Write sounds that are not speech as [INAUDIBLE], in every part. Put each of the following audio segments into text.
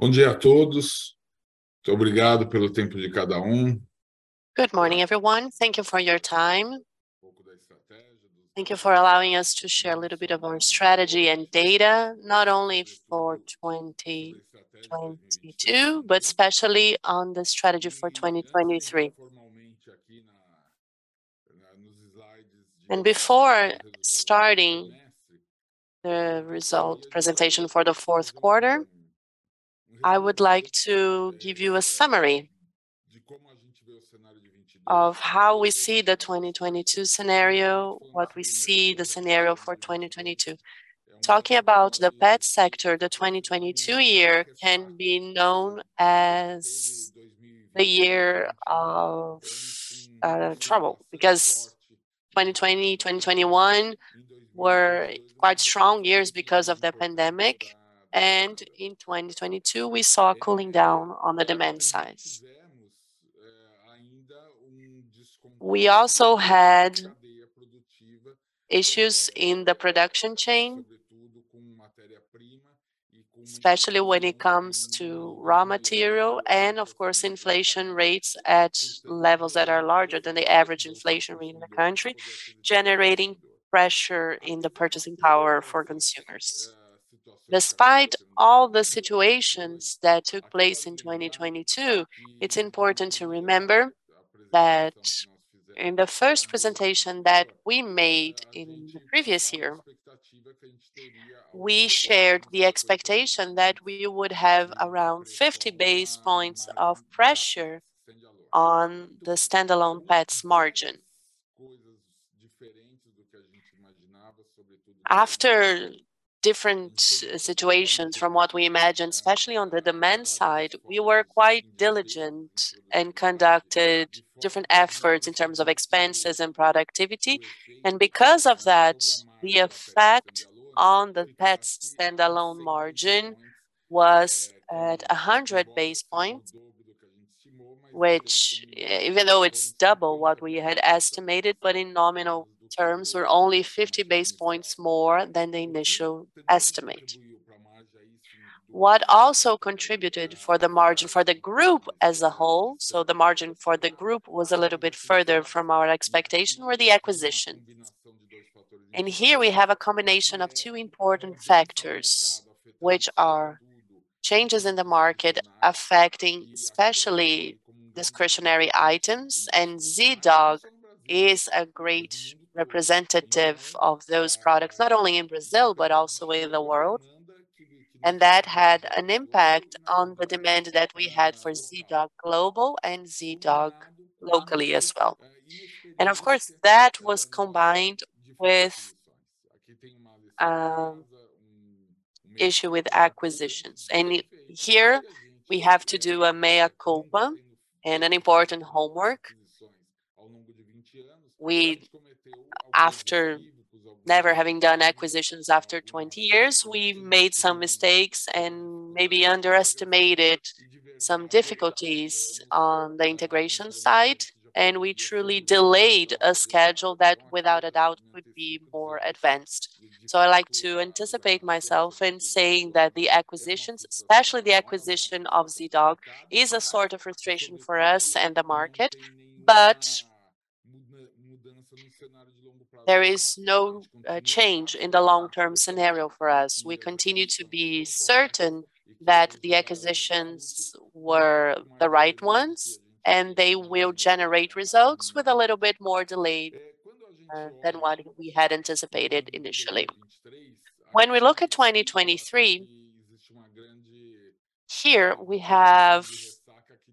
Good morning, everyone. Thank you for your time. Thank you for allowing us to share a little bit of our strategy and data, not only for 2022, but especially on the strategy for 2023. Before starting the result presentation for the fourth quarter, I would like to give you a summary of how we see the 2022 scenario, what we see the scenario for 2022. Talking about the pet sector, the 2022 year can be known as the year of trouble because 2020, 2021 were quite strong years because of the pandemic, in 2022 we saw a cooling down on the demand side. We also had issues in the production chain, especially when it comes to raw material and, of course, inflation rates at levels that are larger than the average inflation rate in the country, generating pressure in the purchasing power for consumers. Despite all the situations that took place in 2022, it's important to remember that in the first presentation that we made in the previous year, we shared the expectation that we would have around 50 basis points of pressure on the standalone Petz margin. After different situations from what we imagined, especially on the demand side, we were quite diligent and conducted different efforts in terms of expenses and productivity. Because of that, the effect on the Petz standalone margin was at 100 basis points, which, even though it's double what we had estimated, but in nominal terms were only 50 basis points more than the initial estimate. What also contributed for the margin for the group as a whole, so the margin for the group was a little bit further from our expectation, were the acquisitions. Here we have a combination of two important factors, which are changes in the market affecting especially discretionary items, and Zee.Dog is a great representative of those products, not only in Brazil, but also in the world. That had an impact on the demand that we had for Zee.Dog global and Zee.Dog locally as well. Of course, that was combined with issue with acquisitions. After never having done acquisitions after 20 years, we made some mistakes and maybe underestimated some difficulties on the integration side, and we truly delayed a schedule that without a doubt would be more advanced. I like to anticipate myself in saying that the acquisitions, especially the acquisition of Zee.Dog, is a sort of frustration for us and the market. There is no change in the long-term scenario for us. We continue to be certain that the acquisitions were the right ones and they will generate results with a little bit more delay than what we had anticipated initially. When we look at 2023, here we have,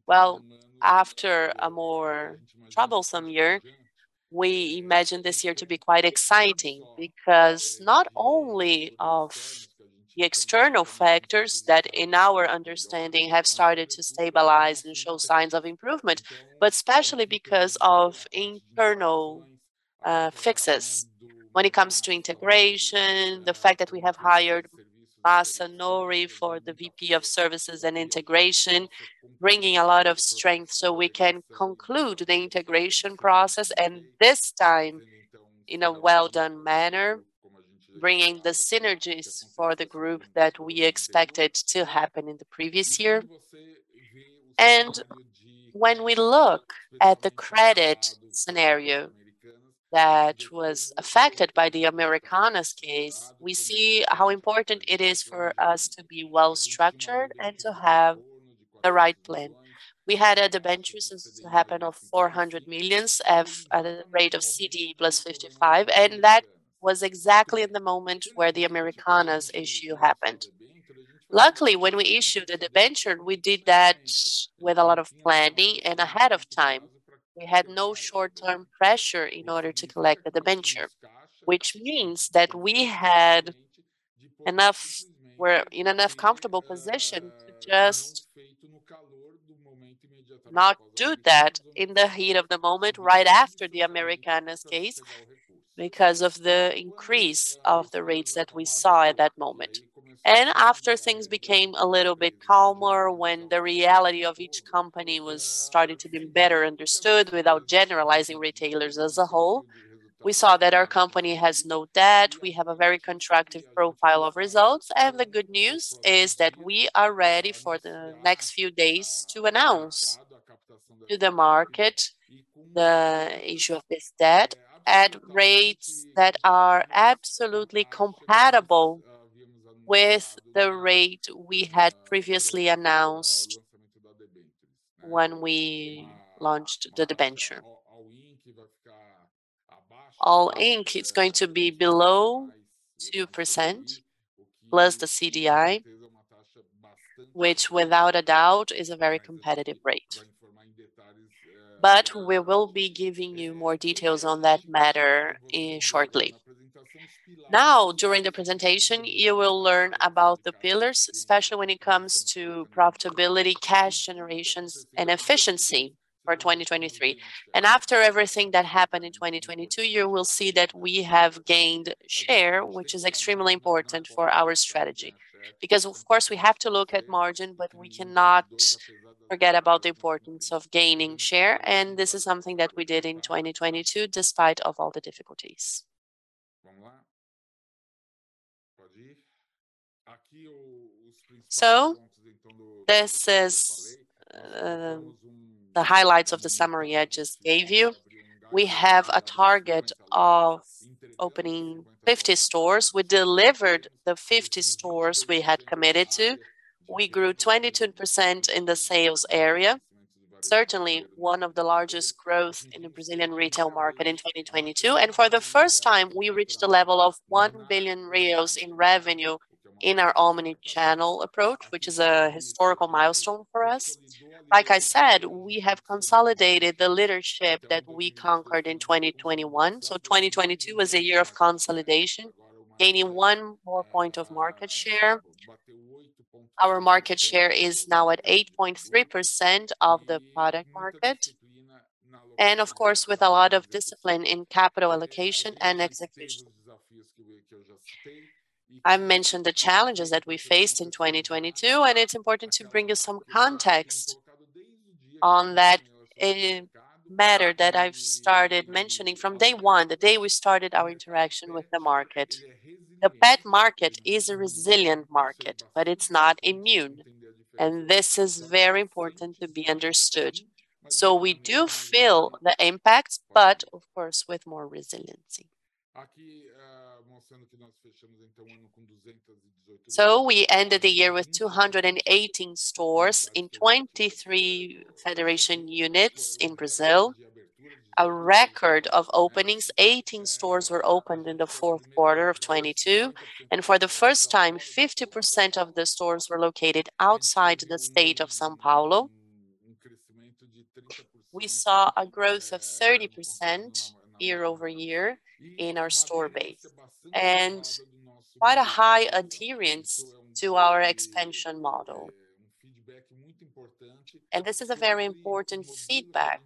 well, after a more troublesome year, we imagine this year to be quite exciting because not only of the external factors that, in our understanding, have started to stabilize and show signs of improvement, but especially because of internal fixes when it comes to integration, the fact that we have hired Masanori for the VP of Services and Integrations, bringing a lot of strength so we can conclude the integration process, and this time in a well-done manner, bringing the synergies for the group that we expected to happen in the previous year. When we look at the credit scenario that was affected by the Americanas case, we see how important it is for us to be well-structured and to have the right plan. We had a debenture since it happened of 400 million at a rate of [CD +55]. That was exactly in the moment where the Americanas issue happened. Luckily, when we issued the debenture, we did that with a lot of planning and ahead of time. We had no short-term pressure in order to collect the debenture, which means that we had enough comfortable position to just not do that in the heat of the moment right after the Americanas case because of the increase of the rates that we saw at that moment. After things became a little bit calmer, when the reality of each company was starting to be better understood without generalizing retailers as a whole. We saw that our company has no debt. We have a very contractive profile of results. The good news is that we are ready for the next few days to announce to the market the issue of this debt at rates that are absolutely compatible with the rate we had previously announced when we launched the debenture. All in, it's going to be below 2%+ the CDI, which without a doubt is a very competitive rate. We will be giving you more details on that matter shortly. Now, during the presentation, you will learn about the pillars, especially when it comes to profitability, cash generations, and efficiency for 2023. After everything that happened in 2022, you will see that we have gained share, which is extremely important for our strategy because, of course, we have to look at margin, but we cannot forget about the importance of gaining share. This is something that we did in 2022 despite of all the difficulties. This is the highlights of the summary I just gave you. We have a target of opening 50 stores. We delivered the 50 stores we had committed to. We grew 22% in the sales area, certainly one of the largest growth in the Brazilian retail market in 2022. For the first time, we reached a level of 1 billion in revenue in our omni-channel approach, which is a historical milestone for us. Like I said, we have consolidated the leadership that we conquered in 2021. 2022 was a year of consolidation, gaining one more point of market share. Our market share is now at 8.3% of the product market, and of course with a lot of discipline in capital allocation and execution. I mentioned the challenges that we faced in 2022, and it's important to bring you some context on that matter that I've started mentioning from day one, the day we started our interaction with the market. The pet market is a resilient market, but it's not immune, and this is very important to be understood. We do feel the impact, but of course, with more resiliency. We ended the year with 218 stores in 23 federation units in Brazil. A record of openings, 18 stores were opened in the fourth quarter of 2022, and for the first time, 50% of the stores were located outside the state of São Paulo. We saw a growth of 30% year-over-year in our store base and quite a high adherence to our expansion model. This is a very important feedback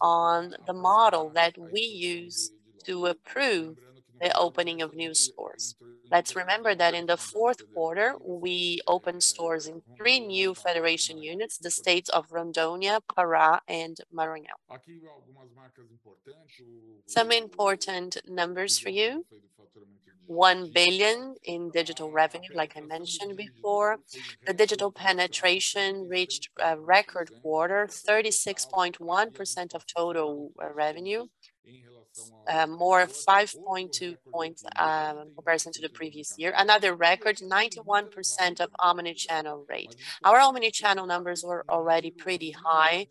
on the model that we use to approve the opening of new stores. Let's remember that in the fourth quarter, we opened stores in three new federation units, the states of Rondônia, Pará, and Maranhão. Some important numbers for you. 1 billion in digital revenue, like I mentioned before. The digital penetration reached a record quarter, 36.1% of total revenue, more of 5.2 percentage points in comparison to the previous year. Another record, 91% of omni-channel rate. Our omni-channel numbers were already pretty high,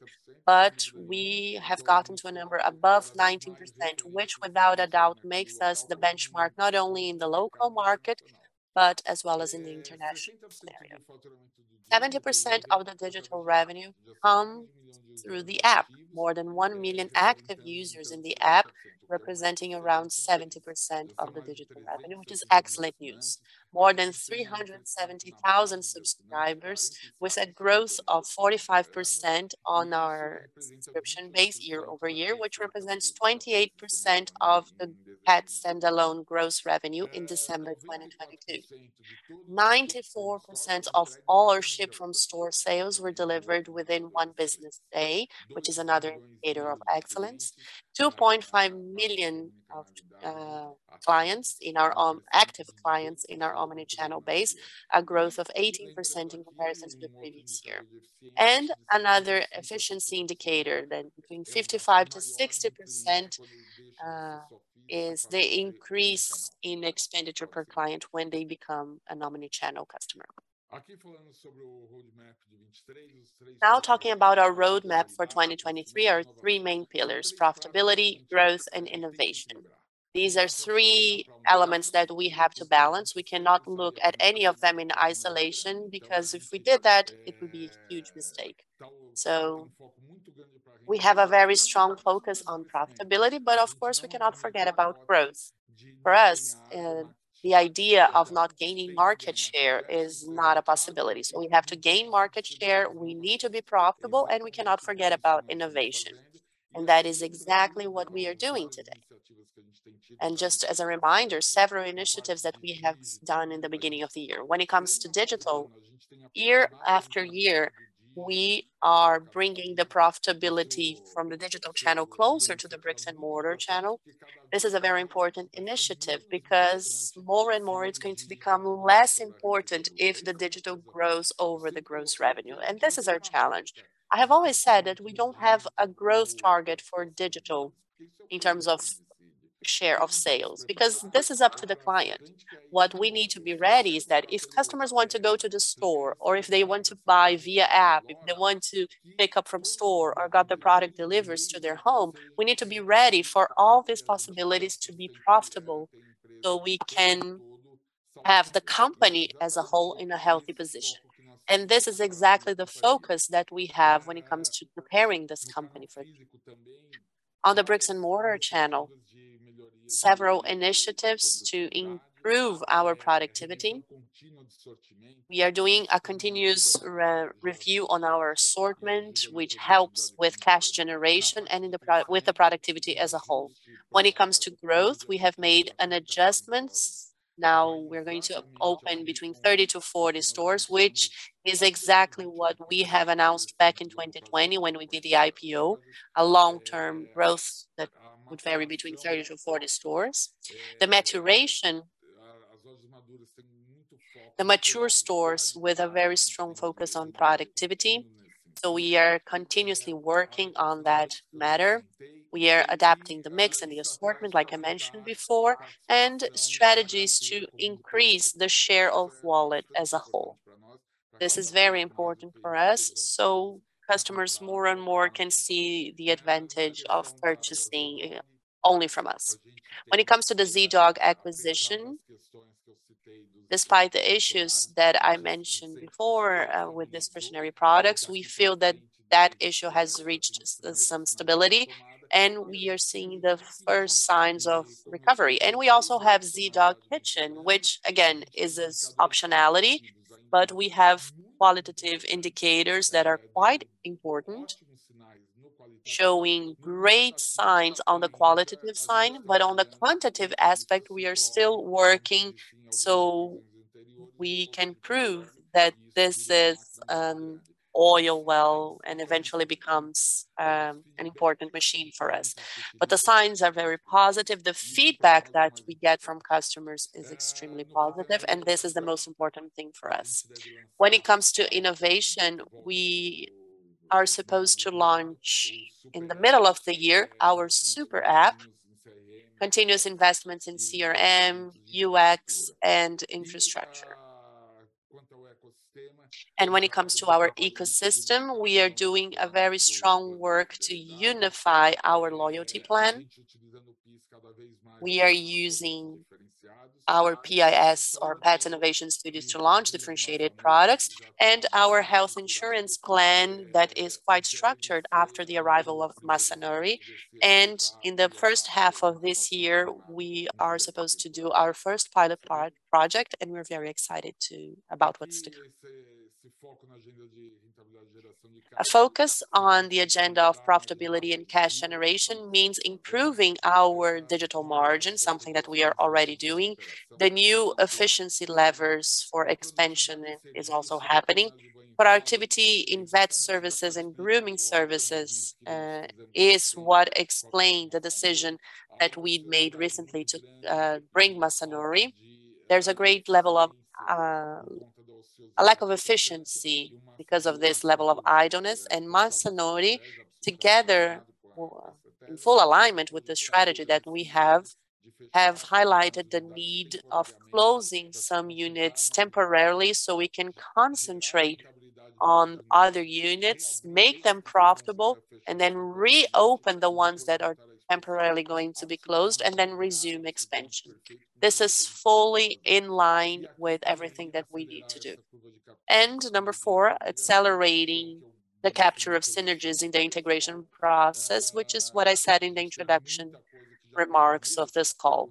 we have gotten to a number above 90%, which without a doubt makes us the benchmark not only in the local market but as well as in the international scenario. 70% of the digital revenue come through the app. More than 1 million active users in the app representing around 70% of the digital revenue, which is excellent news. More than 370,000 subscribers with a growth of 45% on our subscription base year-over-year, which represents 28% of the pet standalone gross revenue in December 2022. 94% of all our ship-from-store sales were delivered within one business day, which is another indicator of excellence. 2.5 million of clients in our active clients in our omni-channel base, a growth of 18% in comparison to the previous year. Another efficiency indicator that between 55%-60% is the increase in expenditure per client when they become an omni-channel customer. Now, talking about our roadmap for 2023, our three main pillars: profitability, growth, and innovation. These are three elements that we have to balance. We cannot look at any of them in isolation because if we did that, it would be a huge mistake. We have a very strong focus on profitability, but of course, we cannot forget about growth. For us, the idea of not gaining market share is not a possibility. We have to gain market share, we need to be profitable, and we cannot forget about innovation. That is exactly what we are doing today. Just as a reminder, several initiatives that we have done in the beginning of the year. When it comes to digital, year after year, we are bringing the profitability from the digital channel closer to the bricks-and-mortar channel. This is a very important initiative because more and more it's going to become less important if the digital grows over the gross revenue. This is our challenge. I have always said that we don't have a growth target for digital in terms of share of sales because this is up to the client. What we need to be ready is that if customers want to go to the store or if they want to buy via app, if they want to pick up from store or got the product delivered to their home, we need to be ready for all these possibilities to be profitable so we can have the company as a whole in a healthy position. This is exactly the focus that we have when it comes to preparing this company for it. On the bricks-and-mortar channel, several initiatives to improve our productivity. We are doing a continuous re-review on our assortment, which helps with cash generation and with the productivity as a whole. When it comes to growth, we have made an adjustments. Now, we're going to open between 30-40 stores, which is exactly what we have announced back in 2020 when we did the IPO. A long-term growth that would vary between 30-40 stores. The maturation, the mature stores with a very strong focus on productivity. We are continuously working on that matter. We are adapting the mix and the assortment, like I mentioned before, and strategies to increase the share of wallet as a whole. This is very important for us, so customers more and more can see the advantage of purchasing only from us. When it comes to the Zee.Dog acquisition, despite the issues that I mentioned before, with this stationary products, we feel that that issue has reached some stability. We are seeing the first signs of recovery. We also have Zee.Dog Kitchen, which again is as optionality. We have qualitative indicators that are quite important, showing great signs on the qualitative sign. On the quantitative aspect, we are still working so we can prove that this is, oil well and eventually becomes, an important machine for us. The signs are very positive. The feedback that we get from customers is extremely positive. This is the most important thing for us. When it comes to innovation, we are supposed to launch in the middle of the year our super app, continuous investments in CRM, UX, and infrastructure. When it comes to our ecosystem, we are doing a very strong work to unify our loyalty plan. We are using our PIS or Pet Innovation Studios to launch differentiated products and our health insurance plan that is quite structured after the arrival of Masanori. In the 1st half of this year, we are supposed to do our first pilot project, and we're very excited about what's to come. A focus on the agenda of profitability and cash generation means improving our digital margin, something that we are already doing. The new efficiency levers for expansion is also happening. Productivity in vet services and grooming services is what explained the decision that we've made recently to bring Masanori. There's a great level of a lack of efficiency because of this level of idleness. Masanori, together or in full alignment with the strategy that we have highlighted the need of closing some units temporarily, so we can concentrate on other units, make them profitable, and then reopen the ones that are temporarily going to be closed, and then resume expansion. This is fully in line with everything that we need to do. Number four, accelerating the capture of synergies in the integration process, which is what I said in the introduction remarks of this call.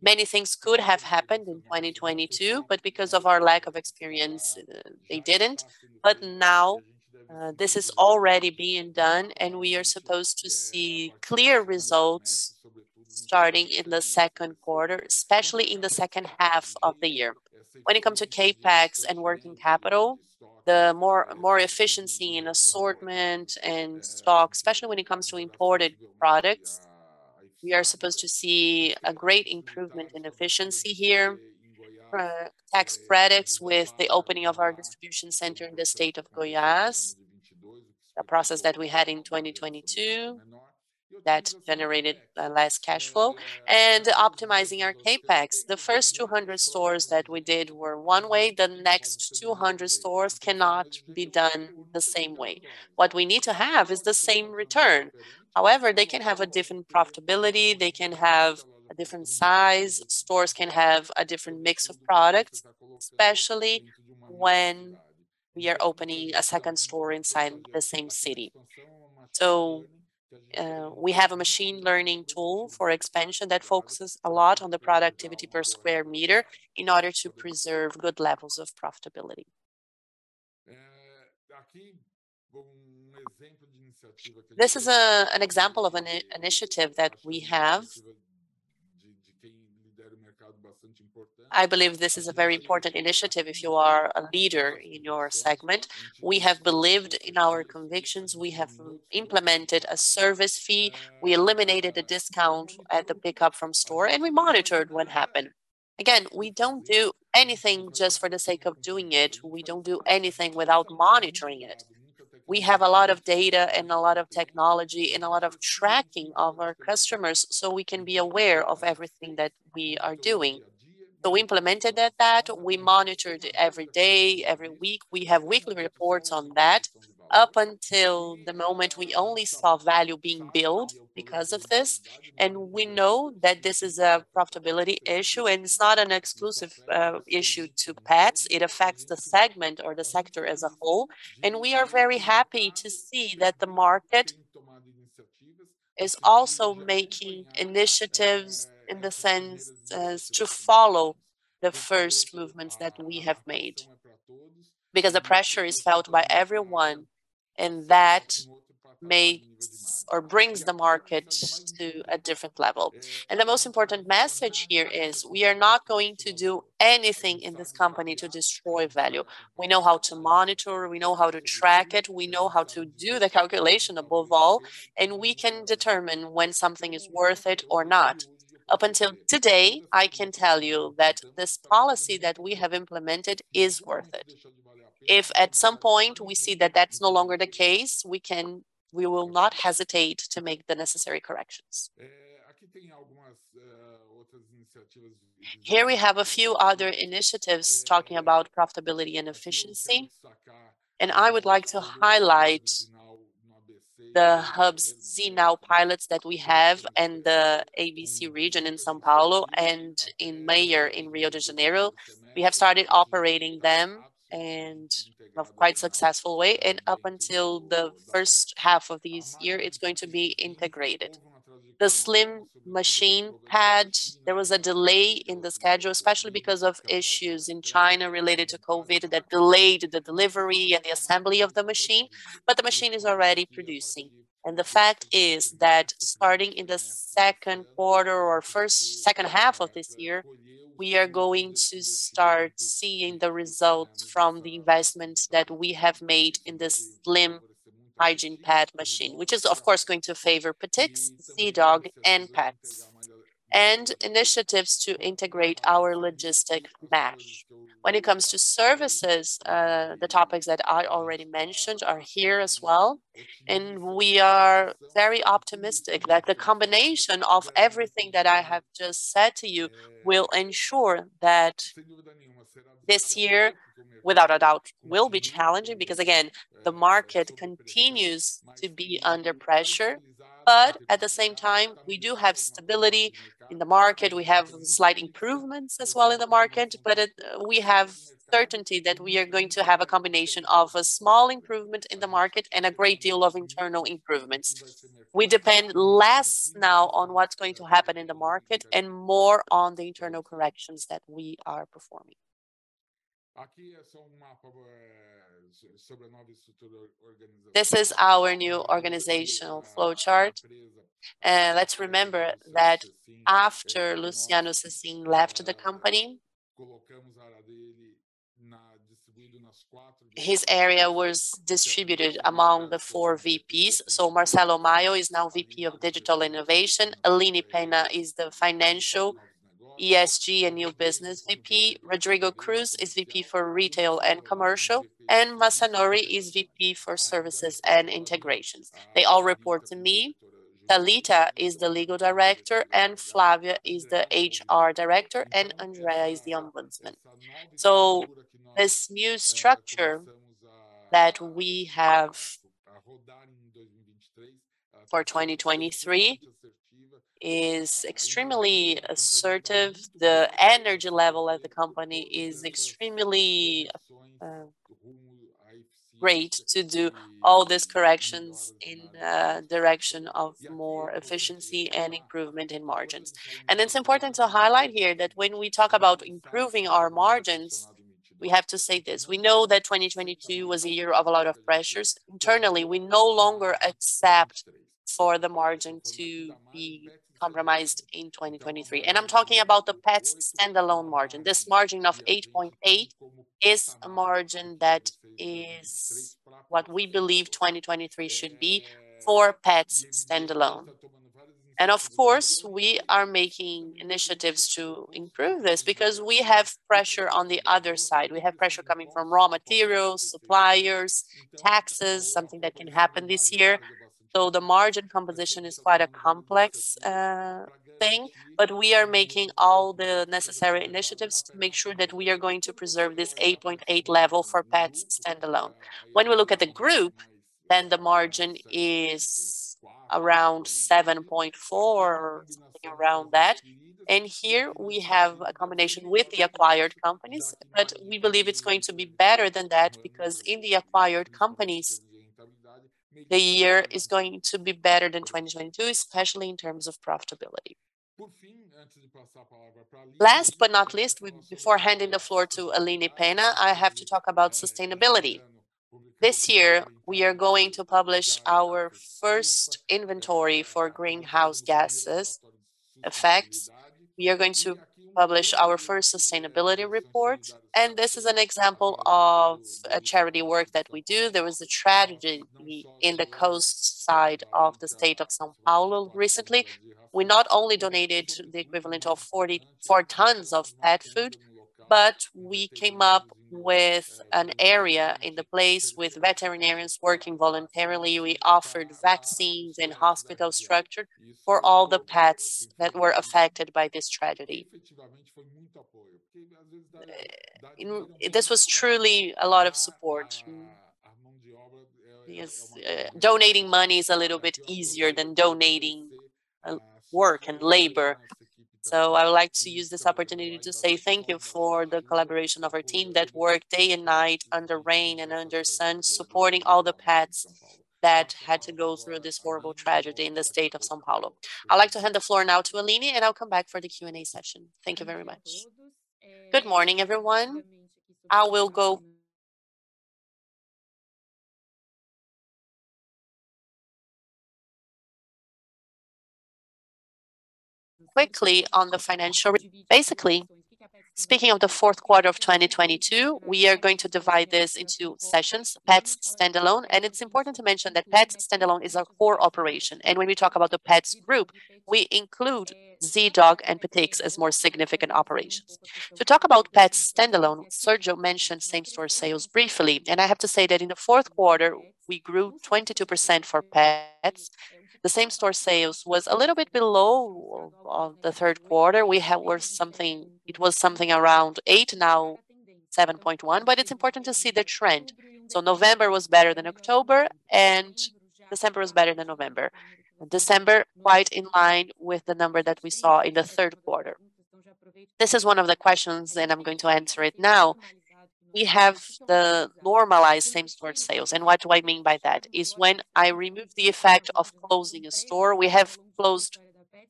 Many things could have happened in 2022, but because of our lack of experience, they didn't. Now, this is already being done, and we are supposed to see clear results starting in the second quarter, especially in the second half of the year. When it comes to CapEx and working capital, the more efficiency in assortment and stock, especially when it comes to imported products, we are supposed to see a great improvement in efficiency here. Tax credits with the opening of our Distribution Centre in the state of Goiás, a process that we had in 2022 that generated less cash flow. Optimizing our CapEx. The first 200 stores that we did were one way. The next 200 stores cannot be done the same way. What we need to have is the same return. However, they can have a different profitability. They can have a different size. Stores can have a different mix of products, especially when we are opening a second store inside the same city. We have a machine learning tool for expansion that focuses a lot on the productivity per square meter in order to preserve good levels of profitability. This is an example of an initiative that we have. I believe this is a very important initiative if you are a leader in your segment. We have believed in our convictions. We have implemented a service fee. We eliminated a discount at the pickup from store, and we monitored what happened. Again, we don't do anything just for the sake of doing it. We don't do anything without monitoring it. We have a lot of data and a lot of technology and a lot of tracking of our customers, so we can be aware of everything that we are doing. We implemented that. We monitored every day, every week. We have weekly reports on that. Up until the moment, we only saw value being built because of this, and we know that this is a profitability issue, and it's not an exclusive issue to pets. It affects the segment or the sector as a whole. We are very happy to see that the market is also making initiatives in the sense as to follow the first movements that we have made because the pressure is felt by everyone, and that makes or brings the market to a different level. The most important message here is we are not going to do anything in this company to destroy value. We know how to monitor. We know how to track it. We know how to do the calculation above all, and we can determine when something is worth it or not. Up until today, I can tell you that this policy that we have implemented is worth it. If at some point we see that that's no longer the case, we will not hesitate to make the necessary corrections. Here we have a few other initiatives talking about profitability and efficiency, and I would like to highlight the hubs Zee.Now pilots that we have in the ABC region in São Paulo and in [Méier] in Rio de Janeiro. We have started operating them in a quite successful way, and up until the first half of this year, it's going to be integrated. The slim machine pads, there was a delay in the schedule, especially because of issues in China related to COVID that delayed the delivery and the assembly of the machine, but the machine is already producing. The fact is that starting in the second quarter or first, second half of this year, we are going to start seeing the results from the investments that we have made in this slim hygiene pad machine, which is of course going to favor Petix, Zee.Dog, and Petz. Initiatives to integrate our logistic mesh. When it comes to services, the topics that I already mentioned are here as well, and we are very optimistic that the combination of everything that I have just said to you will ensure that this year, without a doubt, will be challenging because again, the market continues to be under pressure. At the same time, we do have stability in the market. We have slight improvements as well in the market, it, we have certainty that we are going to have a combination of a small improvement in the market and a great deal of internal improvements. We depend less now on what's going to happen in the market and more on the internal corrections that we are performing. This is our new organizational flowchart. Let's remember that after Luciano Sessim left the company, his area was distributed among the four VPs. Marcelo Maia is now VP of Digital Innovation. Aline Penna is the Financial, ESG, and New Business VP. Rodrigo Cruz is VP for Retail and Commercial, and Masanori is VP for Services and Integrations. They all report to me. Talita is the Legal Director, and Flavia is the HR Director, and Andrea is the Ombudsman. This new structure that we have for 2023 is extremely assertive. The energy level at the company is extremely great to do all these corrections in the direction of more efficiency and improvement in margins. It's important to highlight here that when we talk about improving our margins, we have to say this. We know that 2022 was a year of a lot of pressures. Internally, we no longer accept for the margin to be compromised in 2023, and I'm talking about the Petz standalone margin. This margin of 8.8 is a margin that is what we believe 2023 should be for Petz standalone. Of course, we are making initiatives to improve this because we have pressure on the other side. We have pressure coming from raw materials, suppliers, taxes, something that can happen this year. The margin composition is quite a complex thing. We are making all the necessary initiatives to make sure that we are going to preserve this 8.8% level for Petz standalone. When we look at the group, then the margin is around 7.4%, something around that. Here we have a combination with the acquired companies. We believe it's going to be better than that because in the acquired companies, the year is going to be better than 2022, especially in terms of profitability. Last but not least, before handing the floor to Aline Penna, I have to talk about sustainability. This year, we are going to publish our first inventory for greenhouse gases effects. We are going to publish our first sustainability report, and this is an example of a charity work that we do. There was a tragedy in the coast side of the state of São Paulo recently. We not only donated the equivalent of 44 tons of pet food, but we came up with an area in the place with veterinarians working voluntarily. We offered vaccines and hospital structure for all the pets that were affected by this tragedy. You know, this was truly a lot of support. Yes, donating money is a little bit easier than donating work and labor. I would like to use this opportunity to say thank you for the collaboration of our team that worked day and night, under rain and under sun, supporting all the pets that had to go through this horrible tragedy in the state of São Paulo. I'd like to hand the floor now to Aline, and I'll come back for the Q&A session. Thank you very much. Good morning, everyone. I will go quickly on the financial. Basically, sSpeaking of the fourth quarter of 2022, we are going to divide this into sessions, Petz standalone, and it's important to mention that Petz standalone is our core operation. When we talk about the Petz Group, we include Zee.Dog and Petix as more significant operations. To talk about Petz standalone, Sergio mentioned same-store sales briefly. I have to say that in the fourth quarter, we grew 22% for Petz. The same-store sales was a little bit below of the third quarter. It was something around eight, now 7.1, it's important to see the trend. November was better than October, and December was better than November. December quite in line with the number that we saw in the third quarter. This is one of the questions. I'm going to answer it now. We have the normalized same-store sales. What do I mean by that? Is when I remove the effect of closing a store. We have closed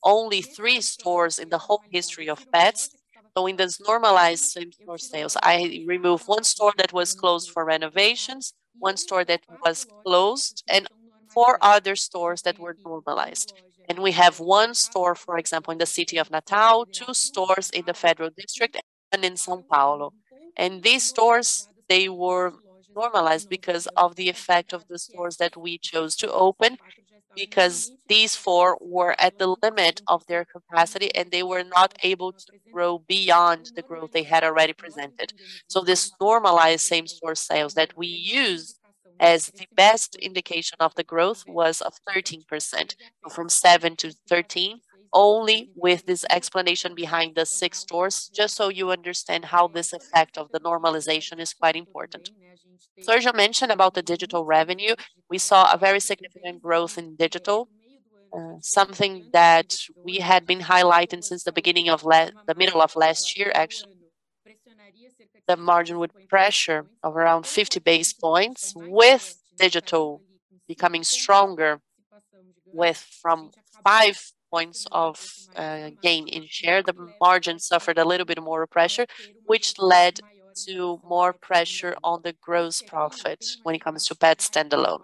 only three stores in the whole history of Petz. In this normalized same-store sales, I remove one store that was closed for renovations, one store that was closed, and four other stores that were normalized. We have one store, for example, in the city of Natal, two stores in the Federal District, and in São Paulo. These stores, they were normalized because of the effect of the stores that we chose to open, because these four were at the limit of their capacity, and they were not able to grow beyond the growth they had already presented. This normalized same-store sales that we use as the best indication of the growth was of 13%, from 7% to 13%, only with this explanation behind the six stores, just so you understand how this effect of the normalization is quite important. Sergio mentioned about the digital revenue. We saw a very significant growth in digital, something that we had been highlighting since the beginning of the middle of last year, actually. The margin with pressure of around 50 basis points, with digital becoming stronger, with from 5 points of gain in share. The margin suffered a little bit more pressure, which led to more pressure on the gross profit when it comes to Petz standalone.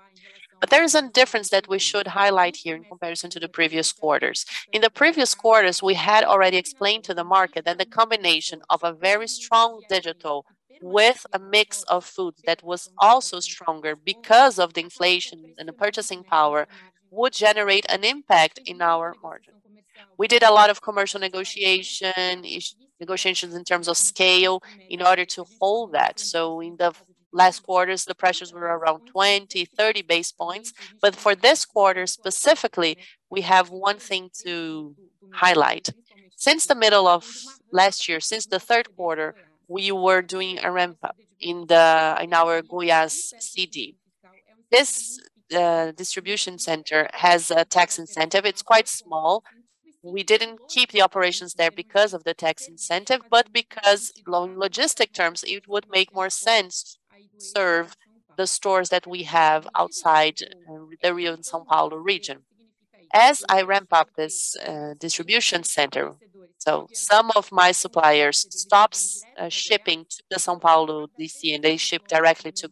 There is a difference that we should highlight here in comparison to the previous quarters. In the previous quarters, we had already explained to the market that the combination of a very strong digital with a mix of foods that was also stronger because of the inflation and the purchasing power would generate an impact in our margin. We did a lot of commercial negotiation, negotiations in terms of scale in order to hold that. In the last quarters, the pressures were around 20, 30 basis points. For this quarter specifically, we have one thing to highlight. Since the middle of last year, since the third quarter, we were doing a ramp-up in our Goiás CD. This Distribution Centre has a tax incentive. It's quite small. We didn't keep the operations there because of the tax incentive, but because in logistic terms, it would make more sense to serve the stores that we have outside the Rio and São Paulo region. As I ramp up this Distribution Centre, so some of my suppliers stops shipping to the São Paulo DC, and they ship directly to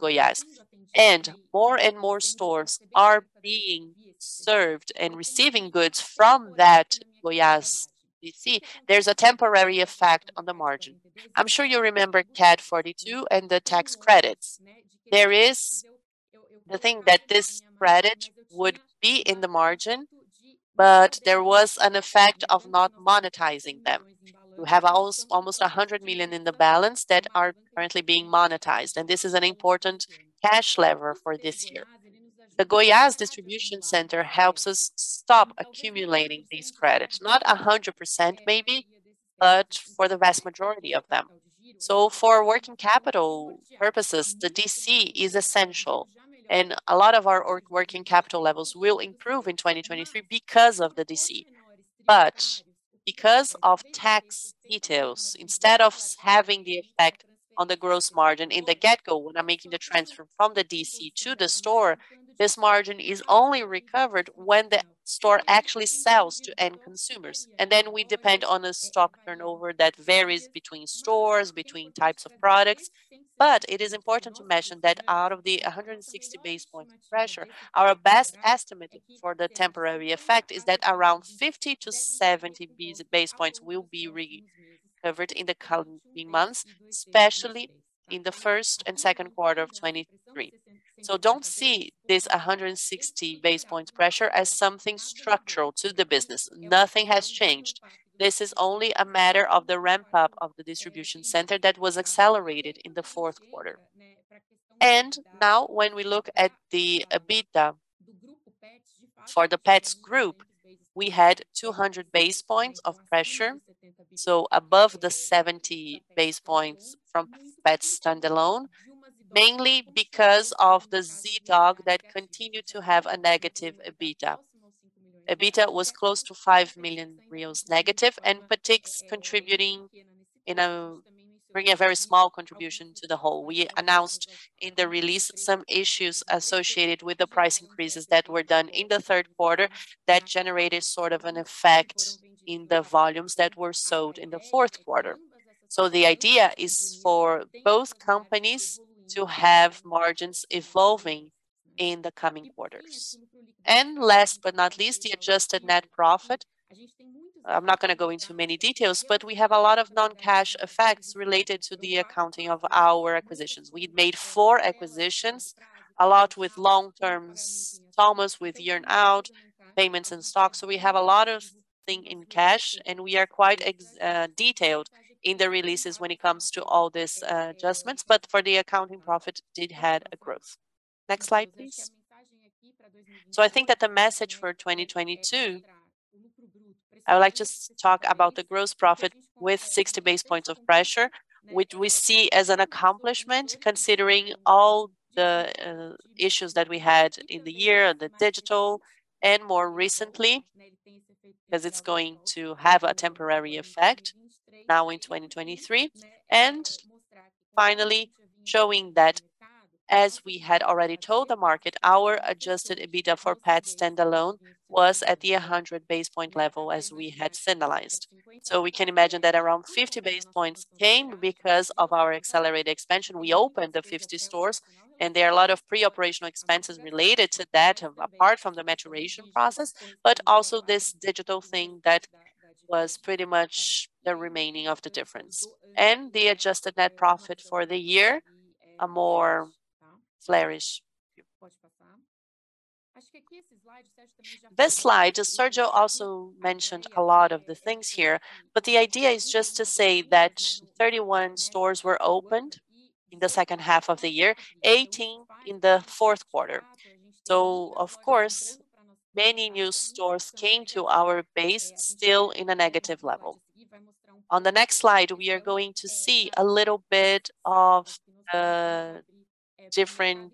Goiás. More and more stores are being served and receiving goods from that Goiás DC. There's a temporary effect on the margin. I'm sure you remember CAT 42 and the tax credits. There is the thing that this credit would be in the margin, but there was an effect of not monetizing them. We have almost 100 million in the balance that are currently being monetized, and this is an important cash lever for this year. The Goiás Distribution Centre helps us stop accumulating these credits, not 100% maybe, but for the vast majority of them. For working capital purposes, the DC is essential, and a lot of our working capital levels will improve in 2023 because of the DC. Because of tax details, instead of having the effect on the gross margin in the get-go when I'm making the transfer from the DC to the store, this margin is only recovered when the store actually sells to end consumers. We depend on a stock turnover that varies between stores, between types of products. It is important to mention that out of the 160 basis points pressure, our best estimate for the temporary effect is that basis points will be recovered in the coming months, especially in the first and second quarter of 2023. Don't see this 160 basis points pressure as something structural to the business. Nothing has changed. This is only a matter of the ramp-up of the Distribution Centre that was accelerated in the fourth quarter. Now, when we look at the EBITDA for the Petz group, we had 200 basis points of pressure, so above the 70 basis points from Petz standalone, mainly because of the Zee.Dog that continued to have a negative EBITDA. EBITDA was close to 5 million negative, and Petix contributing bring a very small contribution to the whole. We announced in the release some issues associated with the price increases that were done in the third quarter that generated sort of an effect in the volumes that were sold in the fourth quarter. The idea is for both companies to have margins evolving in the coming quarters. Last but not least, the adjusted net profit. I'm not gonna go into many details, but we have a lot of non-cash effects related to the accounting of our acquisitions. We made four acquisitions, a lot with long-term sellers with earn-out payments and stocks. We have a lot of thing in cash, and we are quite detailed in the releases when it comes to all these adjustments. For the accounting profit, it did have a growth. Next slide, please. I think that the message for 2022, I would like to talk about the gross profit with 60 basis points of pressure, which we see as an accomplishment considering all the issues that we had in the year, the digital and more recently, because it's going to have a temporary effect now in 2023. Finally, showing that as we had already told the market, our Adjusted EBITDA for Petz standalone was at the 100 basis point level as we had signalized. We can imagine that around 50 basis points came because of our accelerated expansion. We opened the 50 stores, and there are a lot of pre-operational expenses related to that, apart from the maturation process, but also this digital thing that was pretty much the remaining of the difference. The adjusted net profit for the year, a more flourish. This slide, Sergio also mentioned a lot of the things here. The idea is just to say that 31 stores were opened in the second half of the year, 18 in the fourth quarter. Of course, many new stores came to our base still in a negative level. On the next slide, we are going to see a little bit of the different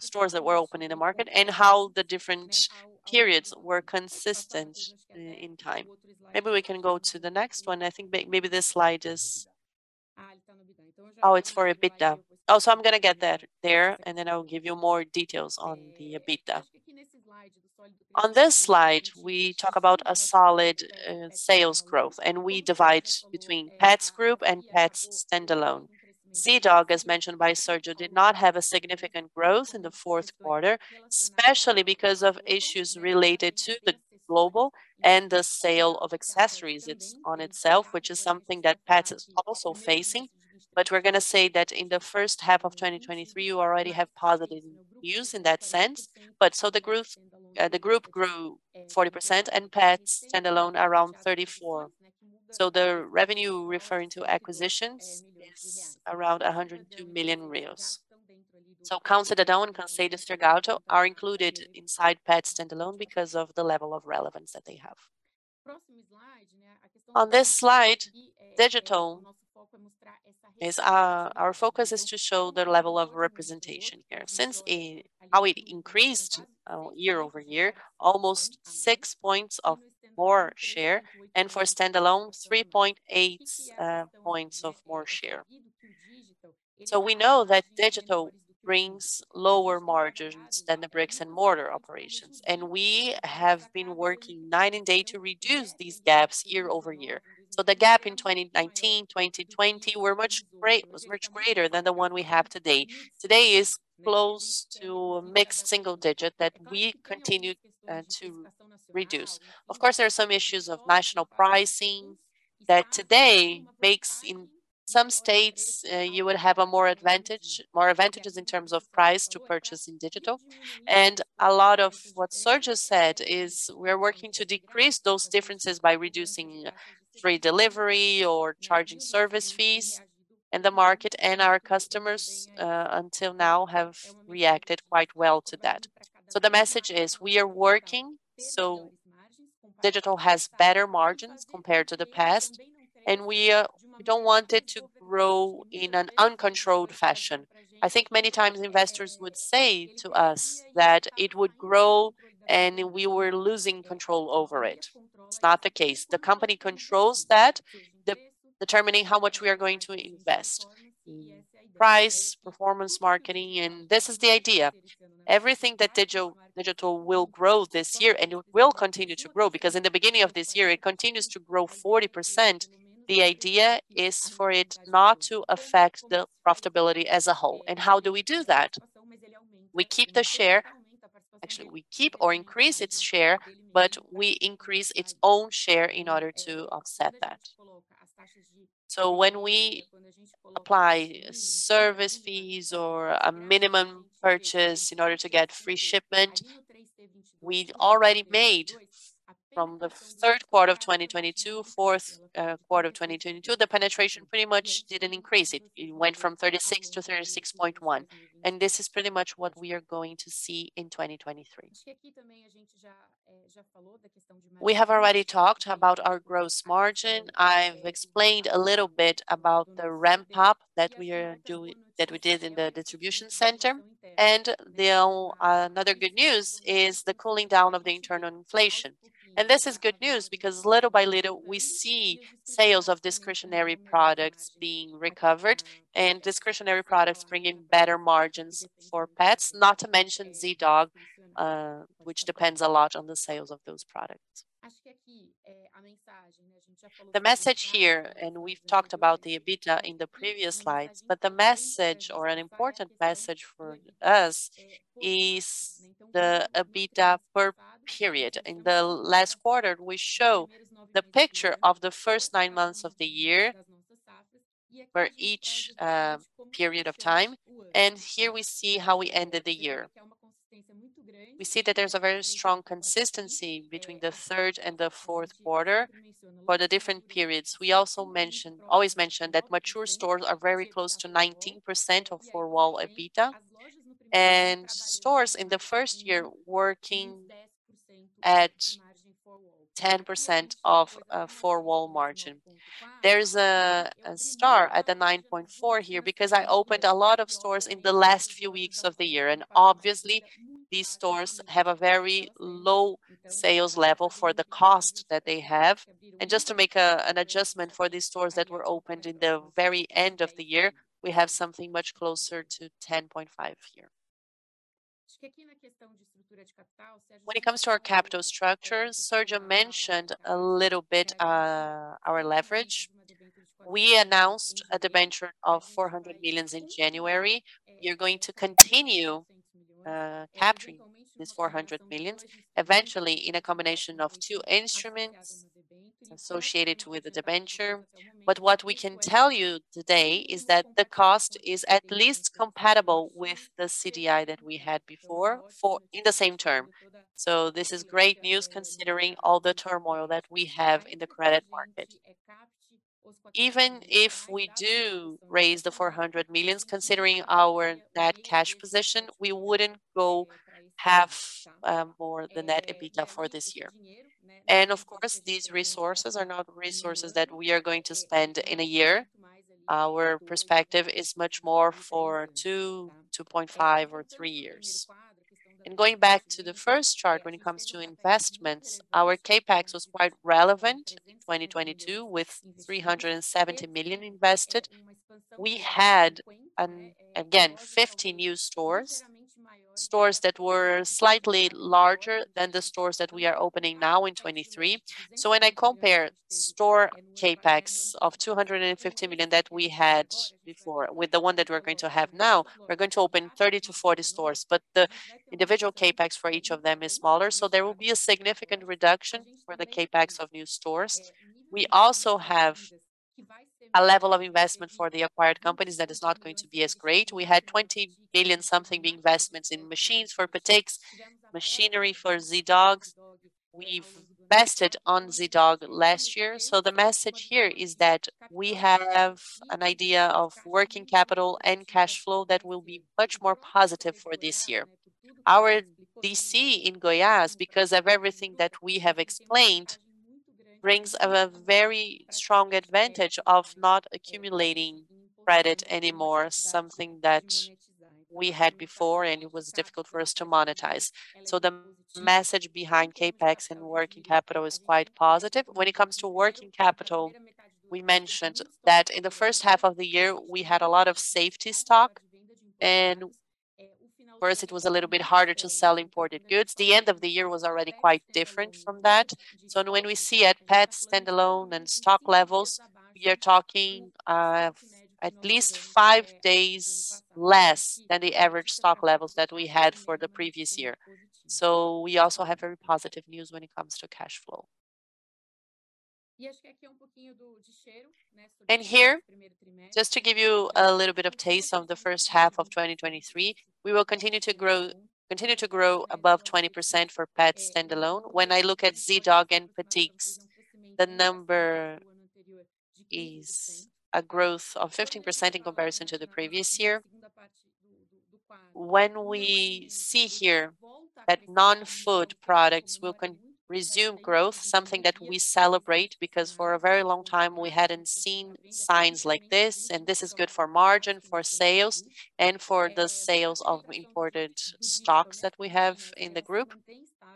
stores that were open in the market and how the different periods were consistent in time. Maybe we can go to the next one. I think maybe this slide is. It's for EBITDA. I'm gonna get that there, and then I will give you more details on the EBITDA. On this slide, we talk about a solid sales growth, we divide between Petz group and Petz standalone. Zee.Dog, as mentioned by Sergio, did not have a significant growth in the fourth quarter, especially because of issues related to the global and the sale of accessories it's on itself, which is something that Petz is also facing. We're gonna say that in the first half of 2023, you already have positive news in that sense. The growth, the group grew 40%, and Petz standalone around 34. The revenue referring to acquisitions is around BRL 102 million. Are included inside Petz standalone because of the level of relevance that they have. On this slide, digital is our focus is to show the level of representation here. Since, how it increased, year-over-year, almost 6 points of more share, and for standalone, 3.8 points of more share. We know that digital brings lower margins than the bricks-and-mortar operations, and we have been working night and day to reduce these gaps year-over-year. The gap in 2019, 2020 was much greater than the one we have today. Today is close to a mixed single digit that we continue to reduce. Of course, there are some issues of national pricing that today makes in some states, you would have more advantages in terms of price to purchase in digital. A lot of what Sergio said is we're working to decrease those differences by reducing free delivery or charging service fees in the market, and our customers until now have reacted quite well to that. The message is we are working, so digital has better margins compared to the past, and we don't want it to grow in an uncontrolled fashion. I think many times investors would say to us that it would grow, and we were losing control over it. It's not the case. The company controls that, determining how much we are going to invest, price, performance marketing, and this is the idea. Everything that digital will grow this year, and it will continue to grow because in the beginning of this year, it continues to grow 40%. The idea is for it not to affect the profitability as a whole, and how do we do that? We keep the share. Actually, we keep or increase its share, but we increase its own share in order to offset that. When we apply service fees or a minimum purchase in order to get free shipment, we'd already made from the third quarter of 2022, fourth quarter of 2022, the penetration pretty much didn't increase. It went from 36% to 36.1%. This is pretty much what we are going to see in 2023. We have already talked about our gross margin. I've explained a little bit about the ramp-up that we did in the Distribution Centre. The another good news is the cooling down of the internal inflation. This is good news because little by little, we see sales of discretionary products being recovered and discretionary products bringing better margins for Petz, not to mention Zee.Dog, which depends a lot on the sales of those products. The message here, we've talked about the EBITDA in the previous slides, the message or an important message for us is the EBITDA per period. In the last quarter, we show the picture of the first nine months of the year for each period of time, here we see how we ended the year. We see that there's a very strong consistency between the third and the fourth quarter for the different periods. We also mention, always mention that mature stores are very close to 19% of forward EBITDA, stores in the first year working at 10% of forward margin. There is a star at the 9.4% here because I opened a lot of stores in the last few weeks of the year, obviously these stores have a very low sales level for the cost that they have. Just to make an adjustment for these stores that were opened in the very end of the year, we have something much closer to 10.5% here. When it comes to our capital structure, Sergio mentioned a little bit our leverage. We announced a debenture of 400 million in January. You're going to continue capturing this 400 million eventually in a combination of two instruments associated with the debenture. What we can tell you today is that the cost is at least compatible with the CDI that we had before in the same term. This is great news considering all the turmoil that we have in the credit market. Even if we do raise the 400 million considering our net cash position, we wouldn't go half more the net EBITDA for this year. Of course, these resources are not resources that we are going to spend in a year. Our perspective is much more for 2.5 or three years. Going back to the first chart when it comes to investments, our CapEx was quite relevant in 2022 with 370 million invested. We had, again, 50 new stores that were slightly larger than the stores that we are opening now in 2023. When I compare store CapEx of 250 million that we had before with the one that we're going to have now, we're going to open 30 to 40 stores. The individual CapEx for each of them is smaller, so there will be a significant reduction for the CapEx of new stores. We also have a level of investment for the acquired companies that is not going to be as great. We had 20 million something investments in machines for Petix, machinery for Zee.Dog. We've vested on Zee.Dog last year. The message here is that we have an idea of working capital and cash flow that will be much more positive for this year. Our DC in Goiás, because of everything that we have explained, brings a very strong advantage of not accumulating credit anymore, something that we had before, and it was difficult for us to monetize. The message behind CapEx and working capital is quite positive. When it comes to working capital, we mentioned that in the first half of the year, we had a lot of safety stock, first it was a little bit harder to sell imported goods. The end of the year was already quite different from that. When we see at Petz standalone and stock levels, we are talking, at least five days less than the average stock levels that we had for the previous year. We also have very positive news when it comes to cash flow. Here, just to give you a little bit of taste of the first half of 2023, we will continue to grow, continue to grow above 20% for Petz standalone. When I look at Zee.Dog and Petix, the number is a growth of 15% in comparison to the previous year. When we see here that non-food products will resume growth, something that we celebrate because for a very long time we hadn't seen signs like this. This is good for margin, for sales, and for the sales of imported stocks that we have in the group.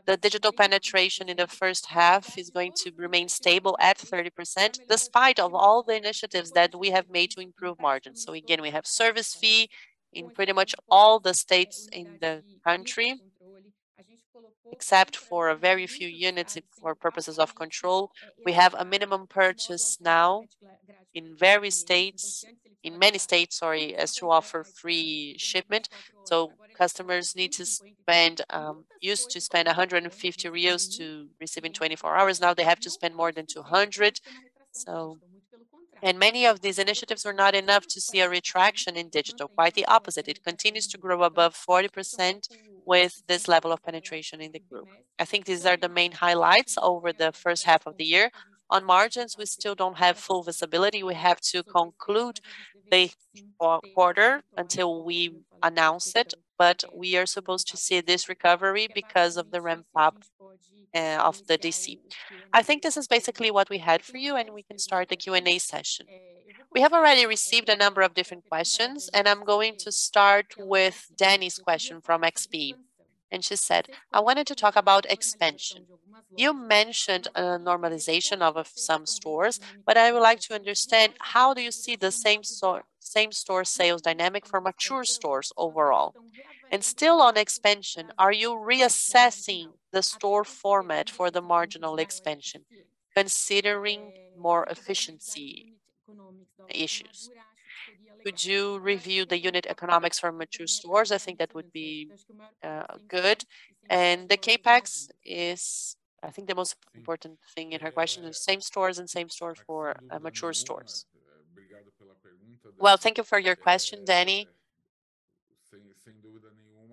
The digital penetration in the first half is going to remain stable at 30% despite of all the initiatives that we have made to improve margins. Again, we have service fee in pretty much all the states in the country, except for a very few units for purposes of control. We have a minimum purchase now in many states, sorry, as to offer free shipment. Customers need to spend, used to spend 150 to receive in 24 hours. Now, they have to spend more than 200. Many of these initiatives were not enough to see a retraction in digital. Quite the opposite. It continues to grow above 40% with this level of penetration in the group. I think these are the main highlights over the first half of the year. On margins, we still don't have full visibility. We have to conclude the quarter until we announce it, but we are supposed to see this recovery because of the ramp up of the DC. I think this is basically what we had for you, and we can start the Q&A session. We have already received a number of different questions, and I'm going to start with Danny's question from XP. She said, "I wanted to talk about expansion. You mentioned a normalization of some stores. I would like to understand how do you see the same-store sales dynamic for mature stores overall. Still on expansion, are you reassessing the store format for the marginal expansion considering more efficiency issues? Could you review the unit economics for mature stores? I think that would be good. The CapEx is, I think, the most important thing in her question, the same stores for mature stores. Thank you for your question, Danny.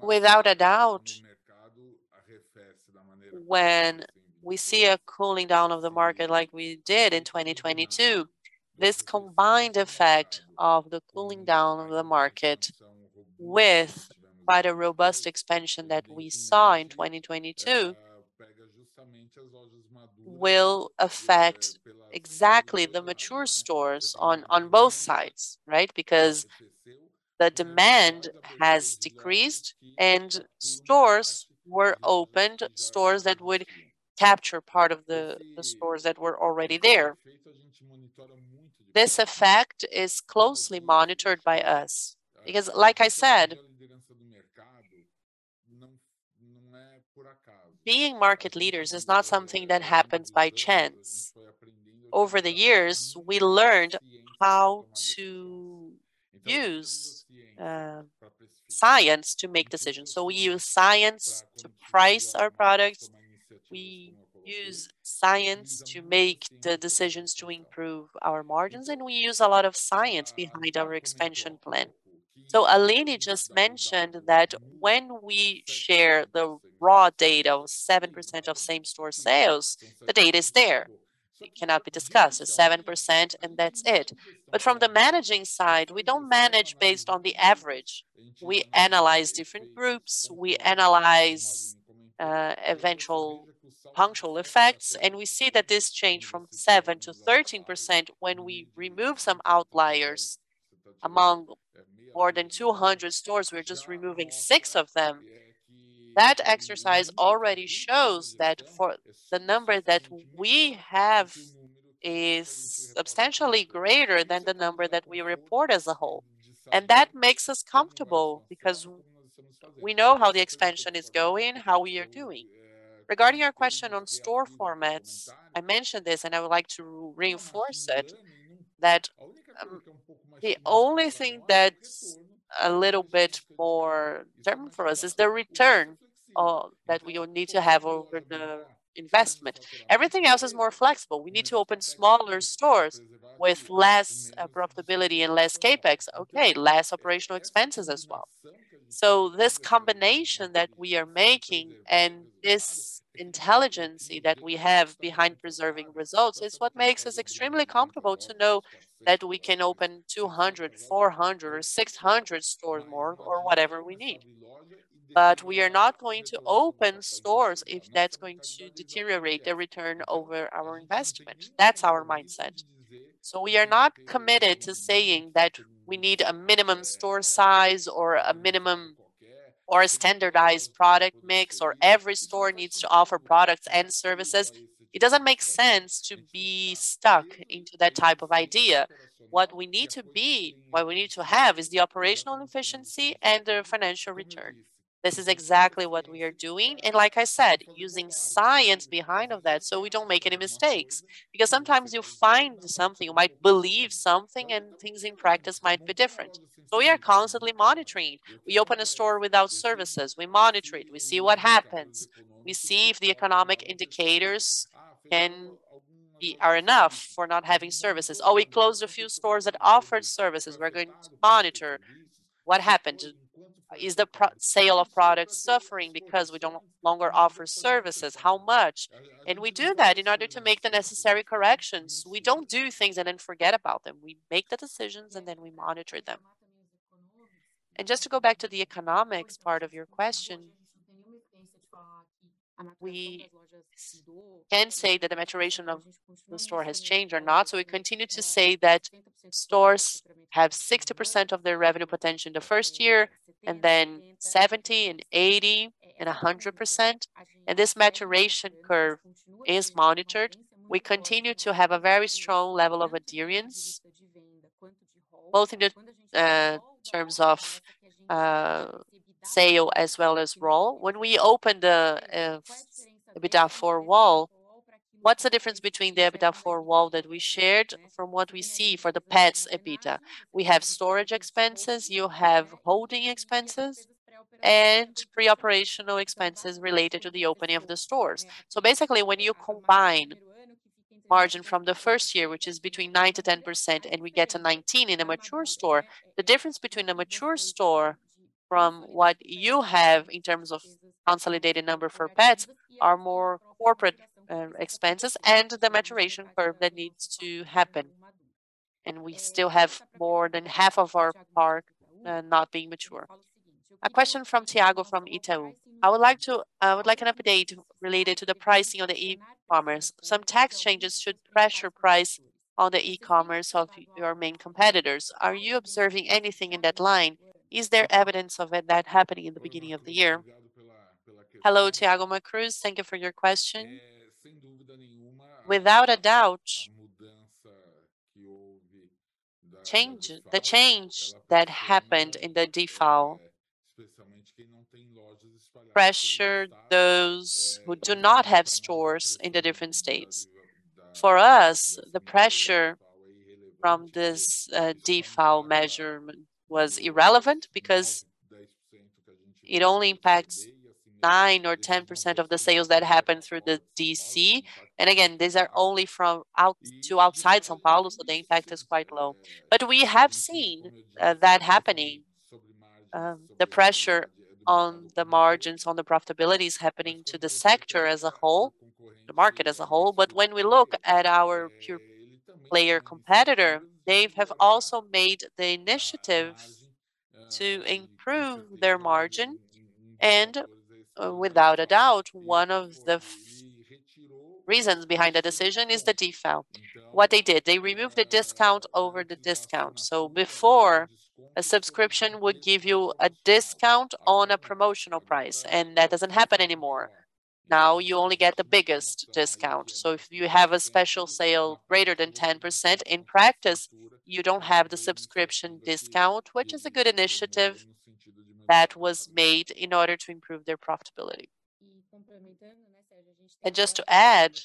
Without a doubt, when we see a cooling down of the market like we did in 2022, this combined effect of the cooling down of the market with quite a robust expansion that we saw in 2022 will affect exactly the mature stores on both sides, right? The demand has decreased and stores were opened, stores that would capture part of the stores that were already there. This effect is closely monitored by us because, like I said, being market leaders is not something that happens by chance. Over the years, we learned how to use science to make decisions. We use science to price our products. We use science to make the decisions to improve our margins. And we use a lot of science. [AUDIO DISTORTION] Aline just mentioned that when we share the raw data of 7% of same-store sales, the data is there. It cannot be discussed. It's 7%, and that's it. From the managing side, we don't manage based on the average. We analyze different groups, we analyze eventual punctual effects. We see that this change from 7%-13% when we remove some outliers among more than 200 stores, we're just removing six of them. That exercise already shows that for the number that we have is substantially greater than the number that we report as a whole. That makes us comfortable because we know how the expansion is going, how we are doing. Regarding your question on store formats, I mentioned this, and I would like to reinforce it, that the only thing that's a little bit more determined for us is the return that we need to have over the investment. Everything else is more flexible. We need to open smaller stores with less profitability and less CapEx. Okay, less operational expenses as well. This combination that we are making and this intelligence that we have behind preserving results is what makes us extremely comfortable to know that we can open 200, 400 or 600 stores more or whatever we need. We are not going to open stores if that's going to deteriorate the return over our investment. That's our mindset. We are not committed to saying that we need a minimum store size or a minimum or a standardized product mix, or every store needs to offer products and services. It doesn't make sense to be stuck into that type of idea. What we need to be, what we need to have is the operational efficiency and the financial return. This is exactly what we are doing, and like I said, using science behind of that so we don't make any mistakes. Sometimes you find something, you might believe something, and things in practice might be different. We are constantly monitoring. We open a store without services, we monitor it, we see what happens. We see if the economic indicators are enough for not having services, or we closed a few stores that offered services. We're going to monitor what happened. Is the sale of products suffering because we no longer offer services? How much? We do that in order to make the necessary corrections. We don't do things and then forget about them. We make the decisions, and then we monitor them. Just to go back to the economics part of your question. We can say that the maturation of the store has changed or not. We continue to say that stores have 60% of their revenue potential in the first year and then 70% and 80% and 100%. This maturation curve is monitored. We continue to have a very strong level of adherence, both in the terms of sale as well as role. When we open the EBITDA four-wall, what's the difference between the EBITDA four-wall that we shared from what we see for the Petz EBITDA? We have storage expenses, you have holding expenses, and pre-operational expenses related to the opening of the stores. Basically, when you combine margin from the first year, which is between 9%-10%, and we get to 19% in a mature store, the difference between a mature store from what you have in terms of consolidated number for Petz are more corporate expenses and the maturation curve that needs to happen. We still have more than half of our park not being mature. A question from Thiago from Itaú. I would like an update related to the pricing of the e-commerce. Some tax changes should pressure price on the e-commerce of your main competitors. Are you observing anything in that line? Is there evidence of that happening in the beginning of the year? Hello, Thiago Cruz. Thank you for your question. Without a doubt, the change that happened in the default pressured those who do not have stores in the different states. For us, the pressure from this default measurement was irrelevant because it only impacts 9% or 10% of the sales that happen through the DC. Again, these are only from to outside São Paulo, so the impact is quite low. We have seen that happening, the pressure on the margins, on the profitability is happening to the sector as a whole, the market as a whole. When we look at our pure player competitor, they have also made the initiative to improve their margin. Without a doubt, one of the reasons behind the decision is the default. What they did, they removed the discount over the discount. Before, a subscription would give you a discount on a promotional price, and that doesn't happen anymore. Now, you only get the biggest discount. If you have a special sale greater than 10%, in practice, you don't have the subscription discount, which is a good initiative that was made in order to improve their profitability. Just to add,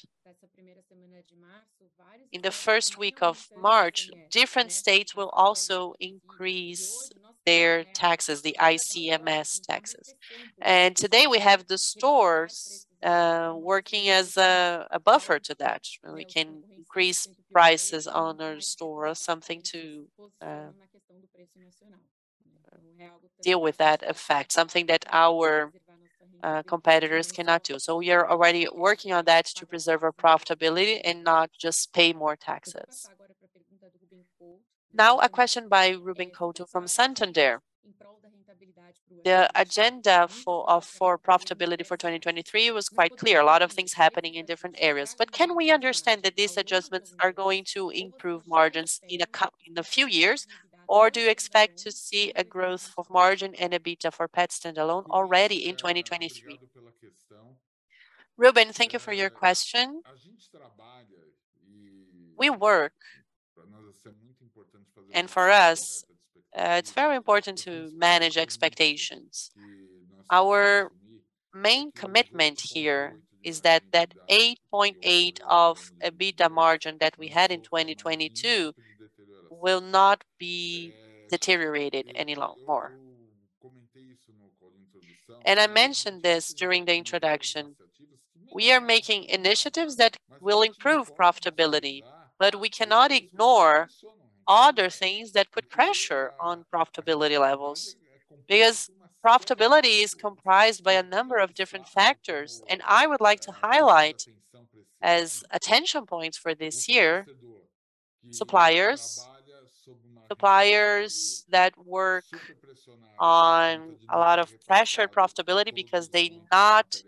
in the first week of March, different states will also increase their taxes, the ICMS taxes. Today, we have the stores working as a buffer to that. We can increase prices on our store or something to deal with that effect, something that our competitors cannot do. We are already working on that to preserve our profitability and not just pay more taxes. Now, a question by Ruben Couto from Santander. The agenda for profitability for 2023 was quite clear. A lot of things happening in different areas. Can we understand that these adjustments are going to improve margins in a few years, or do you expect to see a growth of margin and EBITDA for Petz standalone already in 2023? Ruben, thank you for your question. We work, and for us, it's very important to manage expectations. Our main commitment here is that that 8.8 of EBITDA margin that we had in 2022 will not be deteriorated any more. I mentioned this during the introduction. We are making initiatives that will improve profitability, but we cannot ignore other things that put pressure on profitability levels, because profitability is comprised by a number of different factors. I would like to highlight as attention points for this year, suppliers. Suppliers that work on a lot of pressured profitability because they not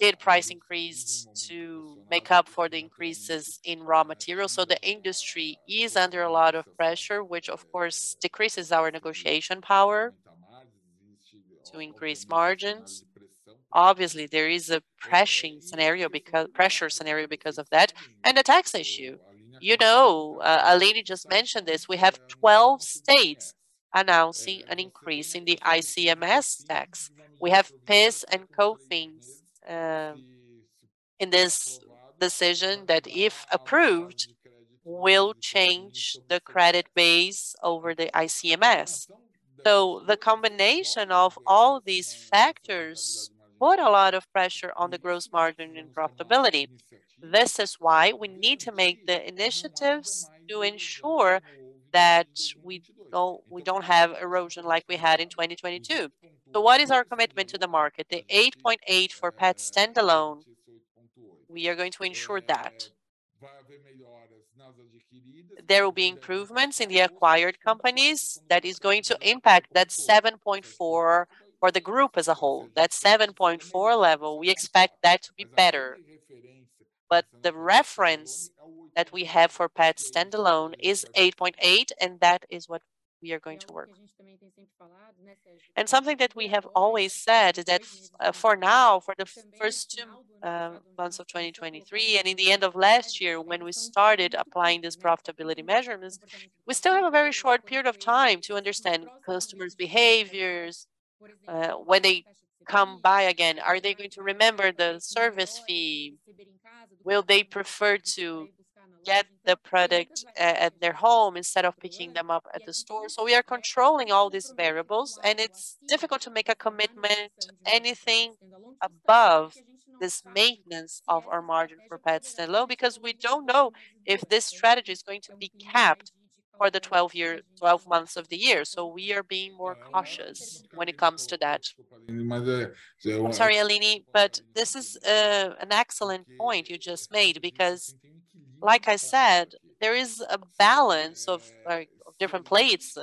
did price increase to make up for the increases in raw materials. The industry is under a lot of pressure, which of course decreases our negotiation power to increase margins. Obviously, there is a pressure scenario because of that. The tax issue. You know, Aline just mentioned this. We have 12 states announcing an increase in the ICMS tax. We have PIS and COFINS in this decision that if approved, will change the credit base over the ICMS. The combination of all these factors put a lot of pressure on the gross margin and profitability. This is why we need to make the initiatives to ensure that we don't have erosion like we had in 2022. What is our commitment to the market? The 8.8% for Petz standalone, we are going to ensure that there will be improvements in the acquired companies that is going to impact that 7.4% for the group as a whole. That 7.4% level, we expect that to be better. The reference that we have for Petz standalone is 8.8%, and that is what we are going to work. Something that we have always said is that, for now, for the first two months of 2023, and in the end of last year when we started applying these profitability measurements, we still have a very short period of time to understand customers' behaviors, when they come by again, are they going to remember the service fee? Will they prefer to get the product at their home instead of picking them up at the store? We are controlling all these variables, and it's difficult to make a commitment to anything above this maintenance of our margin for Petz standalone because we don't know if this strategy is going to be capped for the 12 months of the year. We are being more cautious when it comes to that. Sorry, Aline, but this is an excellent point you just made because, like I said, there is a balance of, like, different plates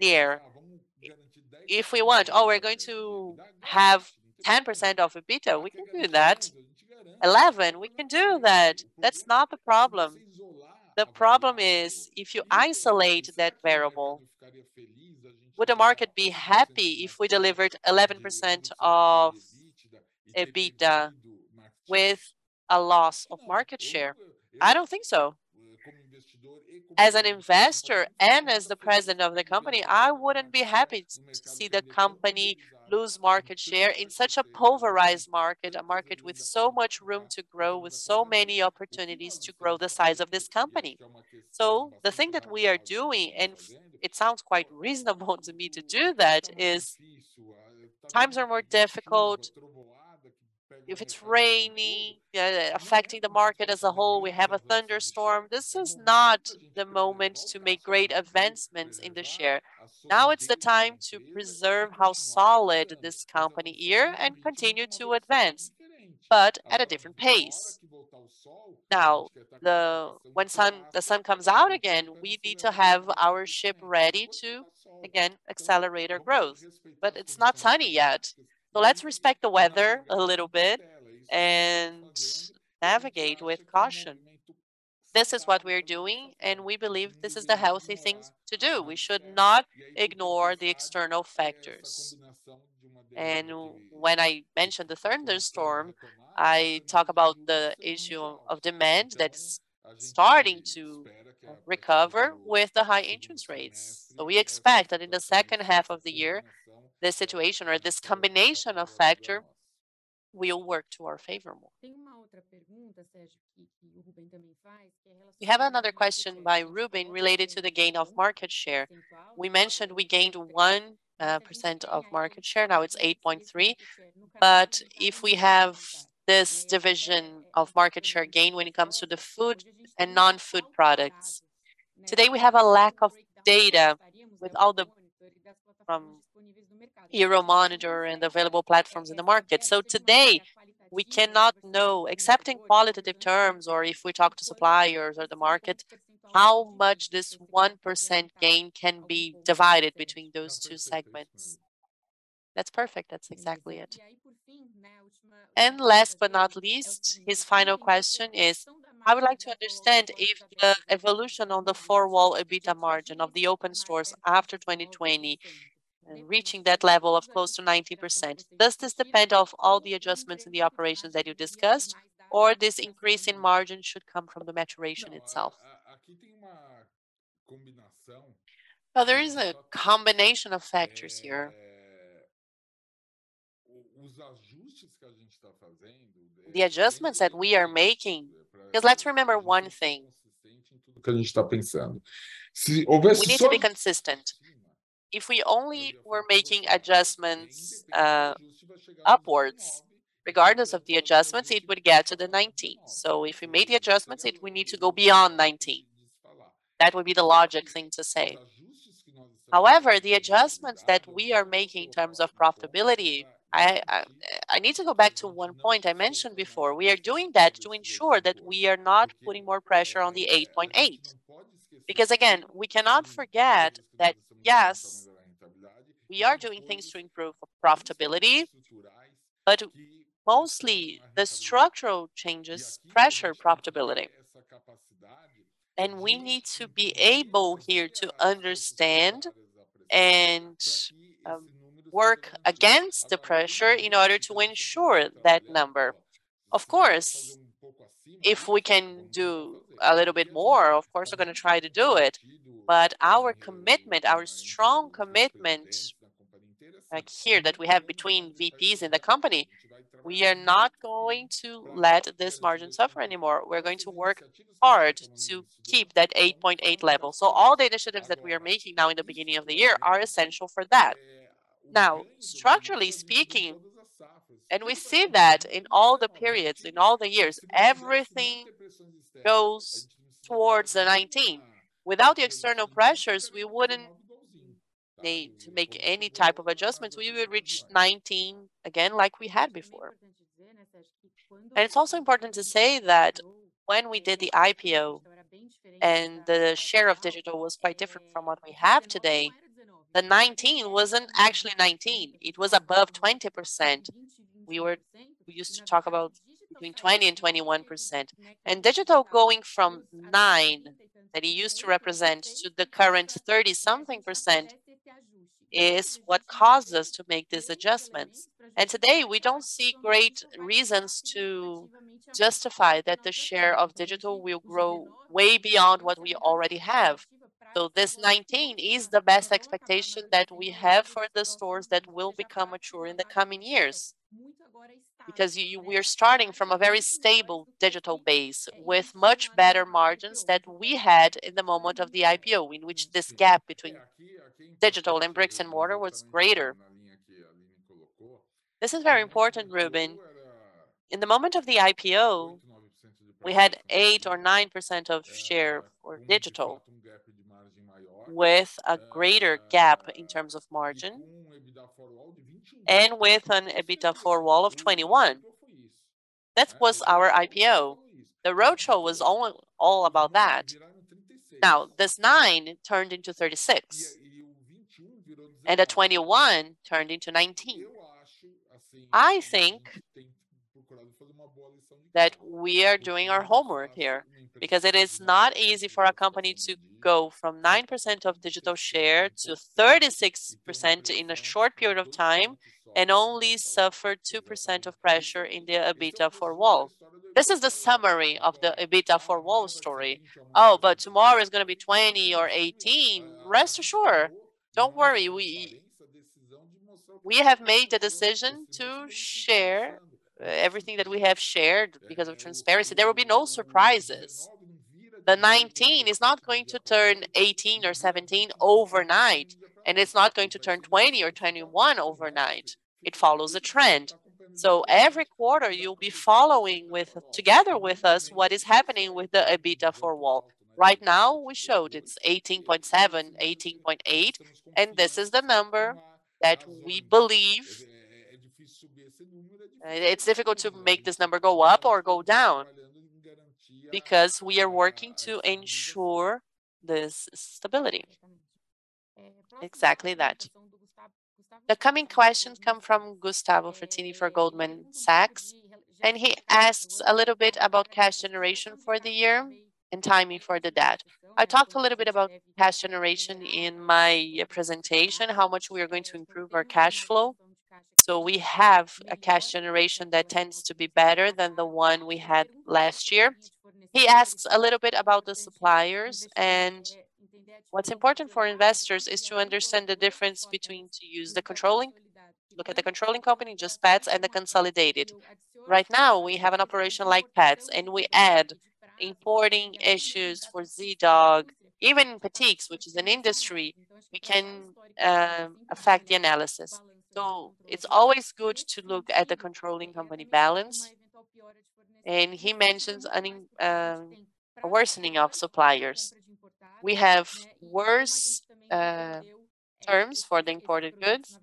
there. If we want, oh, we're going to have 10% of EBITDA, we can do that. 11%, we can do that. That's not the problem. The problem is if you isolate that variable, would the market be happy if we delivered 11% of EBITDA with a loss of market share? I don't think so. As an investor and as the president of the company, I wouldn't be happy to see the company lose market share in such a pulverized market, a market with so much room to grow, with so many opportunities to grow the size of this company. The thing that we are doing, and it sounds quite reasonable to me to do that, is times are more difficult. If it's raining, affecting the market as a whole, we have a thunderstorm. This is not the moment to make great advancements in the share. It's the time to preserve how solid this company ear and continue to advance, but at a different pace. When the sun comes out again, we need to have our ship ready to, again, accelerate our growth. It's not sunny yet, so let's respect the weather a little bit and navigate with caution. This is what we're doing, and we believe this is the healthy thing to do. We should not ignore the external factors. When I mention the thunderstorm, I talk about the issue of demand that's starting to recover with the high interest rates. We expect that in the second half of the year, this situation or this combination of factor will work to our favor more. We have another question by Ruben related to the gain of market share. We mentioned we gained 1% of market share. Now it's 8.3. If we have this division of market share gain when it comes to the food and non-food products, today we have a lack of data with all the from Euromonitor and available platforms in the market. Today we cannot know, accepting qualitative terms or if we talk to suppliers or the market, how much this 1% gain can be divided between those two segments. That's perfect. That's exactly it. Last but not least, his final question is, I would like to understand if the evolution on the four-wall EBITDA margin of the open source after 2020 reaching that level of close to 90%, does this depend of all the adjustments in the operations that you discussed, or this increase in margin should come from the maturation itself? Well, there is a combination of factors here. The adjustments that we are making, 'cause let's remember one thing. We need to be consistent. If we only were making adjustments, upwards, regardless of the adjustments, it would get to the 19%. If we made the adjustments, it would need to go beyond 19%. That would be the logic thing to say. The adjustments that we are making in terms of profitability, I need to go back to 1 point I mentioned before. We are doing that to ensure that we are not putting more pressure on the 8.8. Again, we cannot forget that, yes, we are doing things to improve profitability, but mostly the structural changes pressure profitability. We need to be able here to understand and work against the pressure in order to ensure that number. Of course, if we can do a little bit more, of course, we're gonna try to do it. Our commitment, our strong commitment like here that we have between VPs in the company, we are not going to let this margin suffer anymore. We're going to work hard to keep that 8.8 level. All the initiatives that we are making now in the beginning of the year are essential for that. Structurally speaking, we see that in all the periods, in all the years, everything goes towards the 19%. Without the external pressures, we wouldn't need to make any type of adjustments, we will reach 19% again like we had before. It's also important to say that when we did the IPO and the share of digital was quite different from what we have today, the 19% wasn't actually 19%, it was above 20%. We used to talk about between 20% and 21%. Digital going from 9% that it used to represent to the current 30%-something is what caused us to make these adjustments. Today, we don't see great reasons to justify that the share of digital will grow way beyond what we already have. This 19% is the best expectation that we have for the stores that will become mature in the coming years. We are starting from a very stable digital base with much better margins that we had in the moment of the IPO, in which this gap between digital and bricks-and-mortar was greater. This is very important, Ruben. In the moment of the IPO, we had 8% or 9% of share for digital with a greater gap in terms of margin and with an EBITDA four-wall of 21%. That was our IPO. The roadshow was all about that. Now, this 9% turned into 36%, and the 21% turned into 19%. I think that we are doing our homework here because it is not easy for a company to go from 9% of digital share to 36% in a short period of time and only suffer 2% of pressure in the EBITDA four-wall. This is the summary of the EBITDA four-wall story. Oh, but tomorrow is gonna be 20% or 18%. Rest assured, don't worry. We have made the decision to share everything that we have shared because of transparency. There will be no surprises. The 19% is not going to turn 18% or 17% overnight, and it's not going to turn 20% or 21% overnight. It follows a trend. Every quarter you'll be following together with us what is happening with the EBITDA four-wall. Right now, we showed it's 18.7%, 18.8%. This is the number that we believe it's difficult to make this number go up or go down because we are working to ensure this stability. Exactly that. The coming questions come from Gustavo Fratini for Goldman Sachs. He asks a little bit about cash generation for the year and timing for the debt. I talked a little bit about cash generation in my presentation, how much we are going to improve our cash flow. We have a cash generation that tends to be better than the one we had last year. He asks a little bit about the suppliers. What's important for investors is to understand the difference between look at the controlling company, just Petz, and the consolidated. Right now, we have an operation like Petz, we add importing issues for Zee.Dog, even Petix, which is an industry, it can affect the analysis. It's always good to look at the controlling company balance. He mentions an worsening of suppliers. We have worse terms for the imported goods.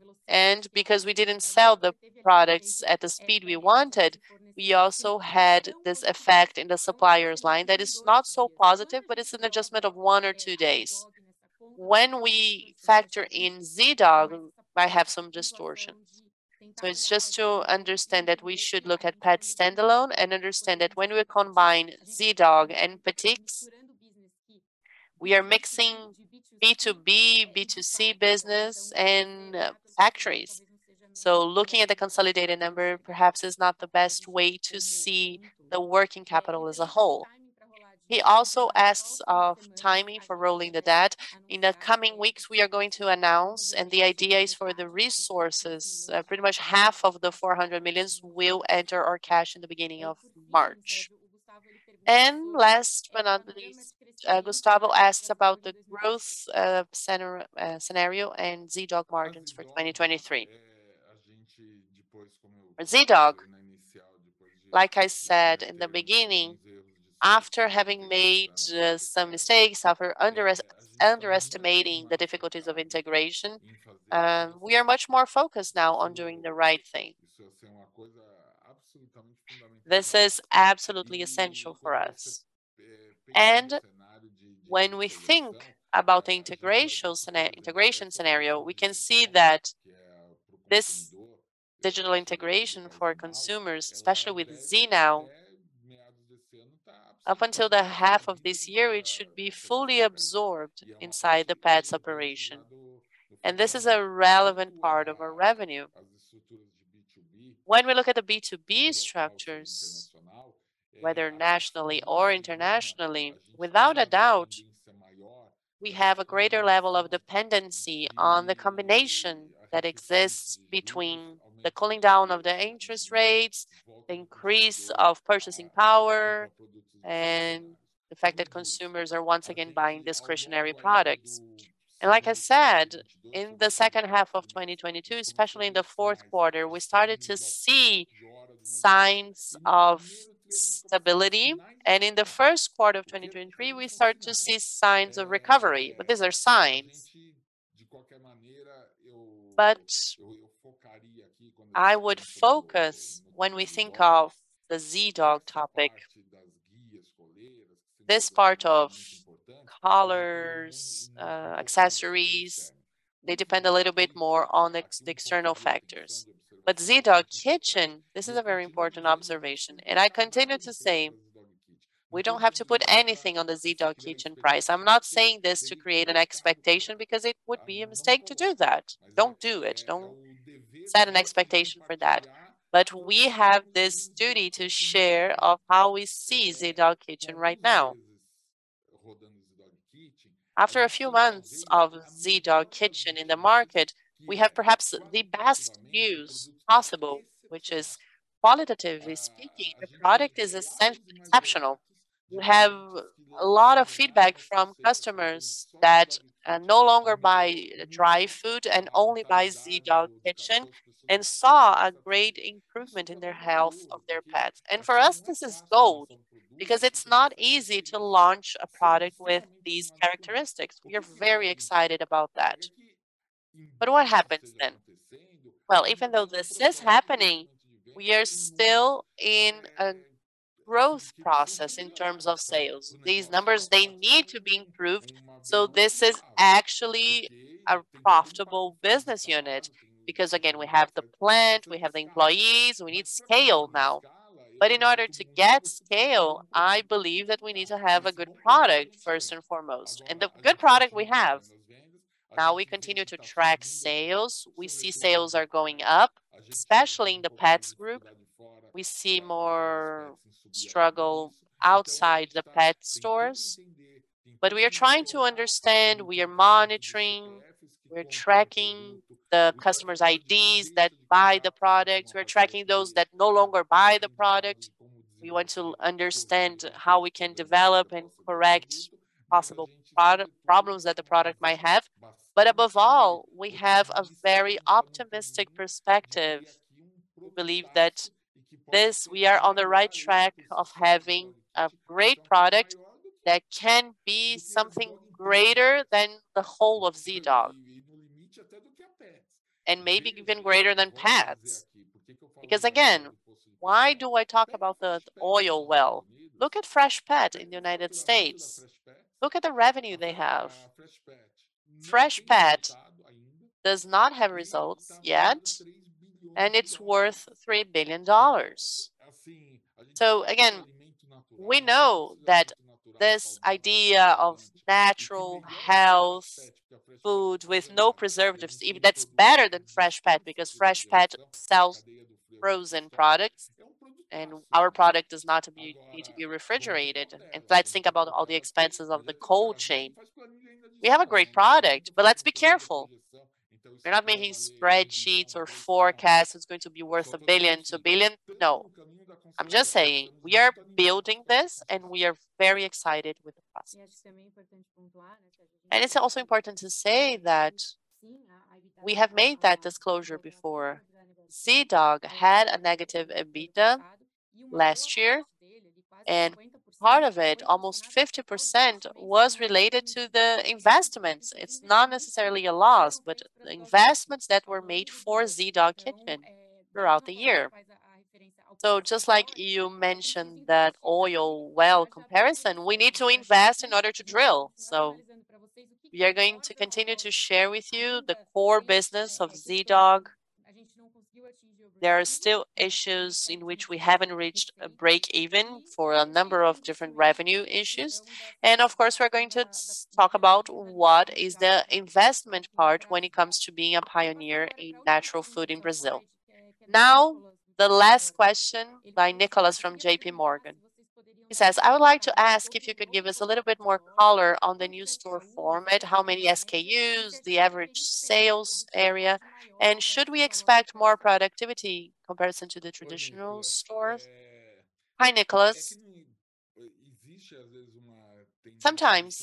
Because we didn't sell the products at the speed we wanted, we also had this effect in the suppliers line that is not so positive, but it's an adjustment of one or two days. When we factor in Zee.Dog, it might have some distortions. It's just to understand that we should look at Petz standalone and understand that when we combine Zee.Dog and Petix, we are mixing B2B, B2C business, and factories. Looking at the consolidated number perhaps is not the best way to see the working capital as a whole. He also asks of timing for rolling the debt. In the coming weeks, we are going to announce. The idea is for the resources, pretty much half of the 400 million will enter our cash in the beginning of March. Last but not least, Gustavo asks about the growth scenario and Zee.Dog margins for 2023. Zee.Dog, like I said in the beginning, after having made some mistakes, after underestimating the difficulties of integration, we are much more focused now on doing the right thing. This is absolutely essential for us. When we think about the integration scenario, we can see that this digital integration for consumers, especially with Zee.Now, up until the half of this year, it should be fully absorbed inside the Petz operation. This is a relevant part of our revenue. When we look at the B2B structures, whether nationally or internationally, without a doubt, we have a greater level of dependency on the combination that exists between the cooling down of the interest rates, the increase of purchasing power, and the fact that consumers are once again buying discretionary products. Like I said, in the second half of 2022, especially in the fourth quarter, we started to see signs of stability. In the first quarter of 2023, we start to see signs of recovery. These are signs. I would focus when we think of the Zee.Dog topic, this part of collars, accessories, they depend a little bit more on the external factors. Zee.Dog Kitchen, this is a very important observation, and I continue to say we don't have to put anything on the Zee.Dog Kitchen price. I'm not saying this to create an expectation because it would be a mistake to do that. Don't do it. Don't set an expectation for that. We have this duty to share of how we see Zee.Dog Kitchen right now. After a few months of Zee.Dog Kitchen in the market, we have perhaps the best views possible, which is qualitatively speaking, the product is exceptional. We have a lot of feedback from customers that no longer buy dry food and only buy Zee.Dog Kitchen and saw a great improvement in their health of their pets. For us, this is gold because it's not easy to launch a product with these characteristics. We are very excited about that. What happens then? Well, even though this is happening, we are still in a growth process in terms of sales. These numbers, they need to be improved so this is actually a profitable business unit because again, we have the plant, we have the employees, we need scale now. In order to get scale, I believe that we need to have a good product first and foremost, and the good product we have. We continue to track sales. We see sales are going up, especially in the pets group. We see more struggle outside the pet stores. We are trying to understand, we are monitoring, we're tracking the customers' IDs that buy the product. We're tracking those that no longer buy the product. We want to understand how we can develop and correct possible product problems that the product might have. Above all, we have a very optimistic perspective. We believe that this, we are on the right track of having a great product that can be something greater than the whole of Zee.Dog, and maybe even greater than pets. Again, why do I talk about the oil well? Look at Freshpet in the United States. Look at the revenue they have. Freshpet does not have results yet. It's worth $3 billion. Again, we know that this idea of natural health food with no preservatives, even that's better than Freshpet because Freshpet sells frozen products and our product does not need to be refrigerated. Let's think about all the expenses of the cold chain. We have a great product, but let's be careful. We're not making spreadsheets or forecasts, it's going to be worth a billion to billion. No. I'm just saying we are building this, and we are very excited with the process. It's also important to say that we have made that disclosure before. Zee.Dog had a negative EBITDA last year, and part of it, almost 50%, was related to the investments. It's not necessarily a loss, but investments that were made for Zee.Dog Kitchen throughout the year. Just like you mentioned that oil well comparison, we need to invest in order to drill. We are going to continue to share with you the core business of Zee.Dog. There are still issues in which we haven't reached a break-even for a number of different revenue issues. Of course, we're going to talk about what is the investment part when it comes to being a pioneer in natural food in Brazil. The last question by Nicholas from JPMorgan. He says, "I would like to ask if you could give us a little bit more color on the new store format, how many SKUs, the average sales area, and should we expect more productivity comparison to the traditional stores?" Hi, Nicholas. Sometimes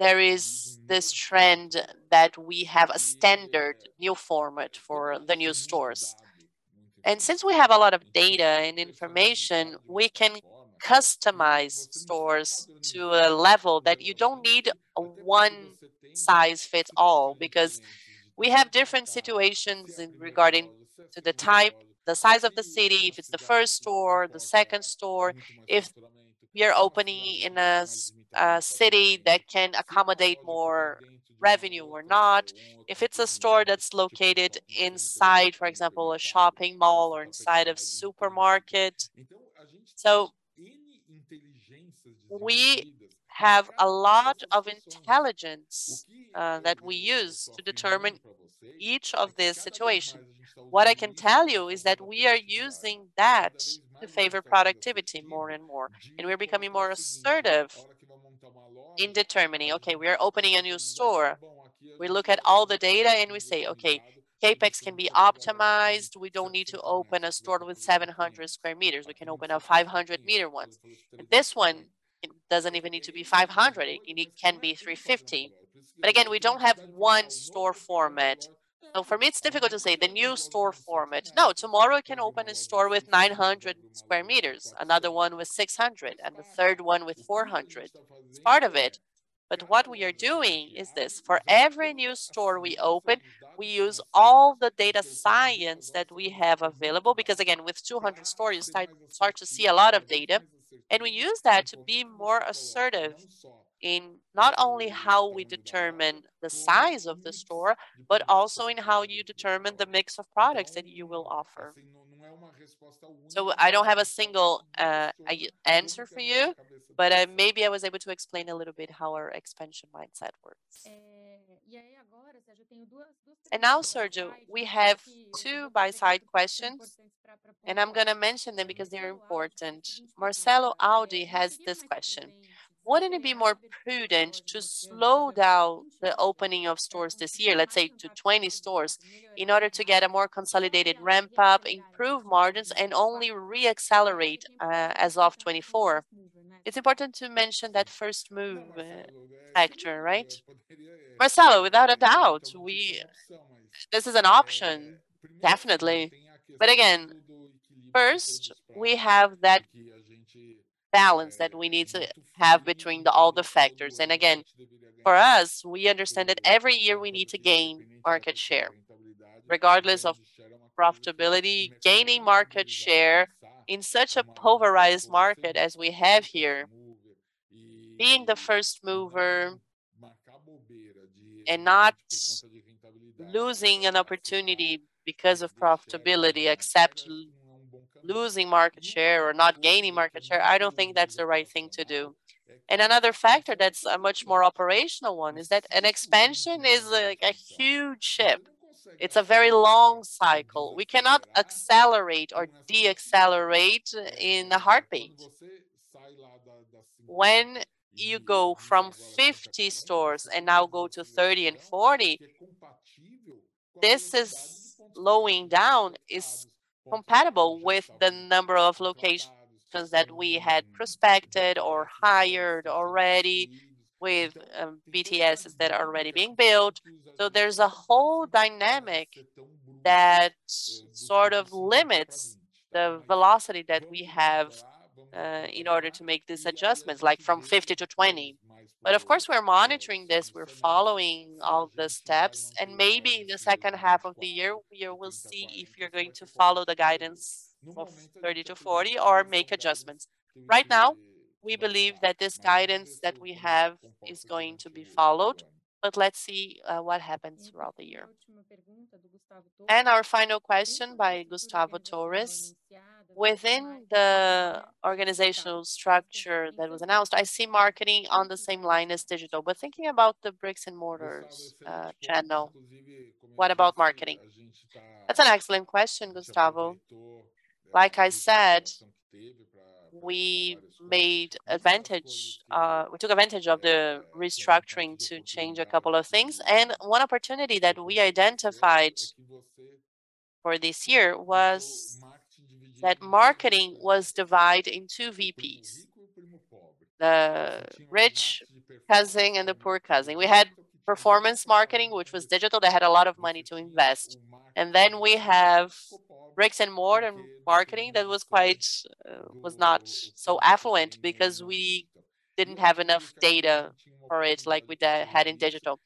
there is this trend that we have a standard new format for the new stores. Since we have a lot of data and information, we can customize stores to a level that you don't need one size fits all because we have different situations regarding to the type, the size of the city, if it's the first store, the second store, if we are opening in a city that can accommodate more revenue or not, if it's a store that's located inside, for example, a shopping mall or inside a supermarket. We have a lot of intelligence that we use to determine each of these situations. What I can tell you is that we are using that to favor productivity more and more, and we're becoming more assertive in determining, okay, we are opening a new store. We look at all the data and we say, "Okay, CapEx can be optimized. We don't need to open a store with 700 sq m. We can open a 500-m one." This one, it doesn't even need to be 500 m. It can be 350 m. Again, we don't have one store format. For me, it's difficult to say the new store format. No. Tomorrow we can open a store with 900 sq m, another one with 600 sq m, and the third one with 400 sq m. What we are doing is this. For every new store we open, we use all the data science that we have available because, again, with 200 stores you start to see a lot of data, and we use that to be more assertive in not only how we determine the size of the store, but also in how you determine the mix of products that you will offer. I don't have a single answer for you, but maybe I was able to explain a little bit how our expansion mindset works. Now, Sergio, we have two buy-side questions, and I'm gonna mention them because they're important. Marcelo Audi has this question. Wouldn't it be more prudent to slow down the opening of stores this year, let's say to 20 stores, in order to get a more consolidated ramp-up, improve margins, and only re-accelerate as of 2024? It's important to mention that first move factor, right? Marcelo, without a doubt. This is an option, definitely. Again, first we have that balance that we need to have between the all the factors. Again, for us, we understand that every year we need to gain market share regardless of profitability. Gaining market share in such a pulverized market as we have here, being the first mover and not losing an opportunity because of profitability except losing market share or not gaining market share, I don't think that's the right thing to do. Another factor that's a much more operational one is that an expansion is a huge ship. It's a very long cycle. We cannot accelerate or de-accelerate in a heartbeat. When you go from 50 stores and now go to 30 and 40, this is slowing down is compatible with the number of locations that we had prospected or hired already with BTS that are already being built. There's a whole dynamic that sort of limits the velocity that we have in order to make these adjustments, like from 50 to 20. Of course, we're monitoring this. We're following all the steps, and maybe in the second half of the year we will see if we're going to follow the guidance of 30-40 or make adjustments. Right now, we believe that this guidance that we have is going to be followed, but let's see what happens throughout the year. Our final question by Gustavo Torres. Within the organizational structure that was announced, I see marketing on the same line as digital, thinking about the bricks-and-mortars channel, what about marketing? That's an excellent question, Gustavo. Like I said, we took advantage of the restructuring to change a couple of things, one opportunity that we identified for this year was that marketing was divided in two VPs. The rich cousin and the poor cousin. We had performance marketing, which was digital, that had a lot of money to invest, we have bricks-and-mortar marketing that was quite, was not so affluent because we didn't have enough data for it like we'd had in digital.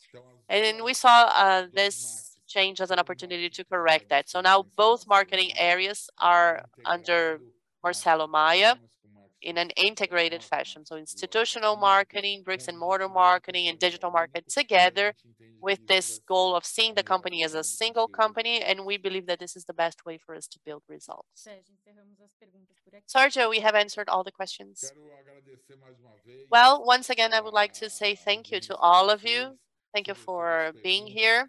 We saw this change as an opportunity to correct that. Now, both marketing areas are under Marcelo Maia in an integrated fashion, institutional marketing, bricks-and-mortar marketing, and digital market together with this goal of seeing the company as a single company, and we believe that this is the best way for us to build results. Sergio, we have answered all the questions. Well, once again, I would like to say thank you to all of you. Thank you for being here.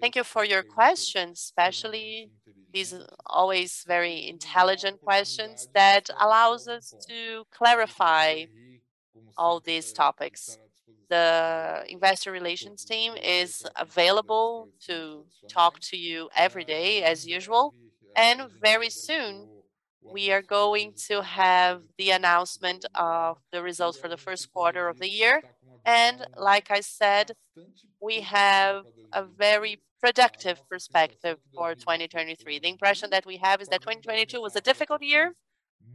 Thank you for your questions, especially these always very intelligent questions that allows us to clarify all these topics. The Investor Relations team is available to talk to you every day as usual, and very soon we are going to have the announcement of the results for the first quarter of the year. Like I said, we have a very productive perspective for 2023. The impression that we have is that 2022 was a difficult year.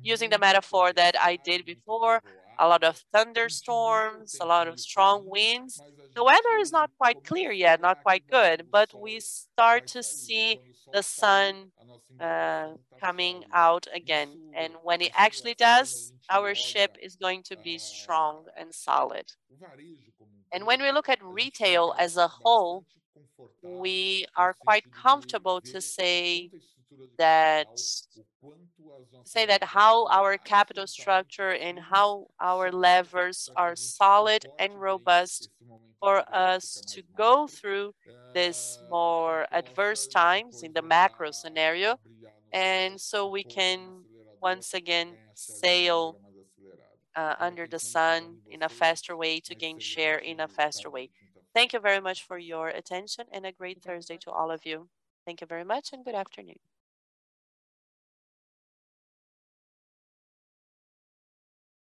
Using the metaphor that I did before, a lot of thunderstorms, a lot of strong winds. The weather is not quite clear yet, not quite good, but we start to see the sun coming out again. When it actually does, our ship is going to be strong and solid. When we look at retail as a whole, we are quite comfortable to say that how our capital structure and how our levers are solid and robust for us to go through this more adverse times in the macro scenario, and so we can once again sail under the sun in a faster way to gain share in a faster way. Thank you very much for your attention, and a great Thursday to all of you. Thank you very much and good afternoon.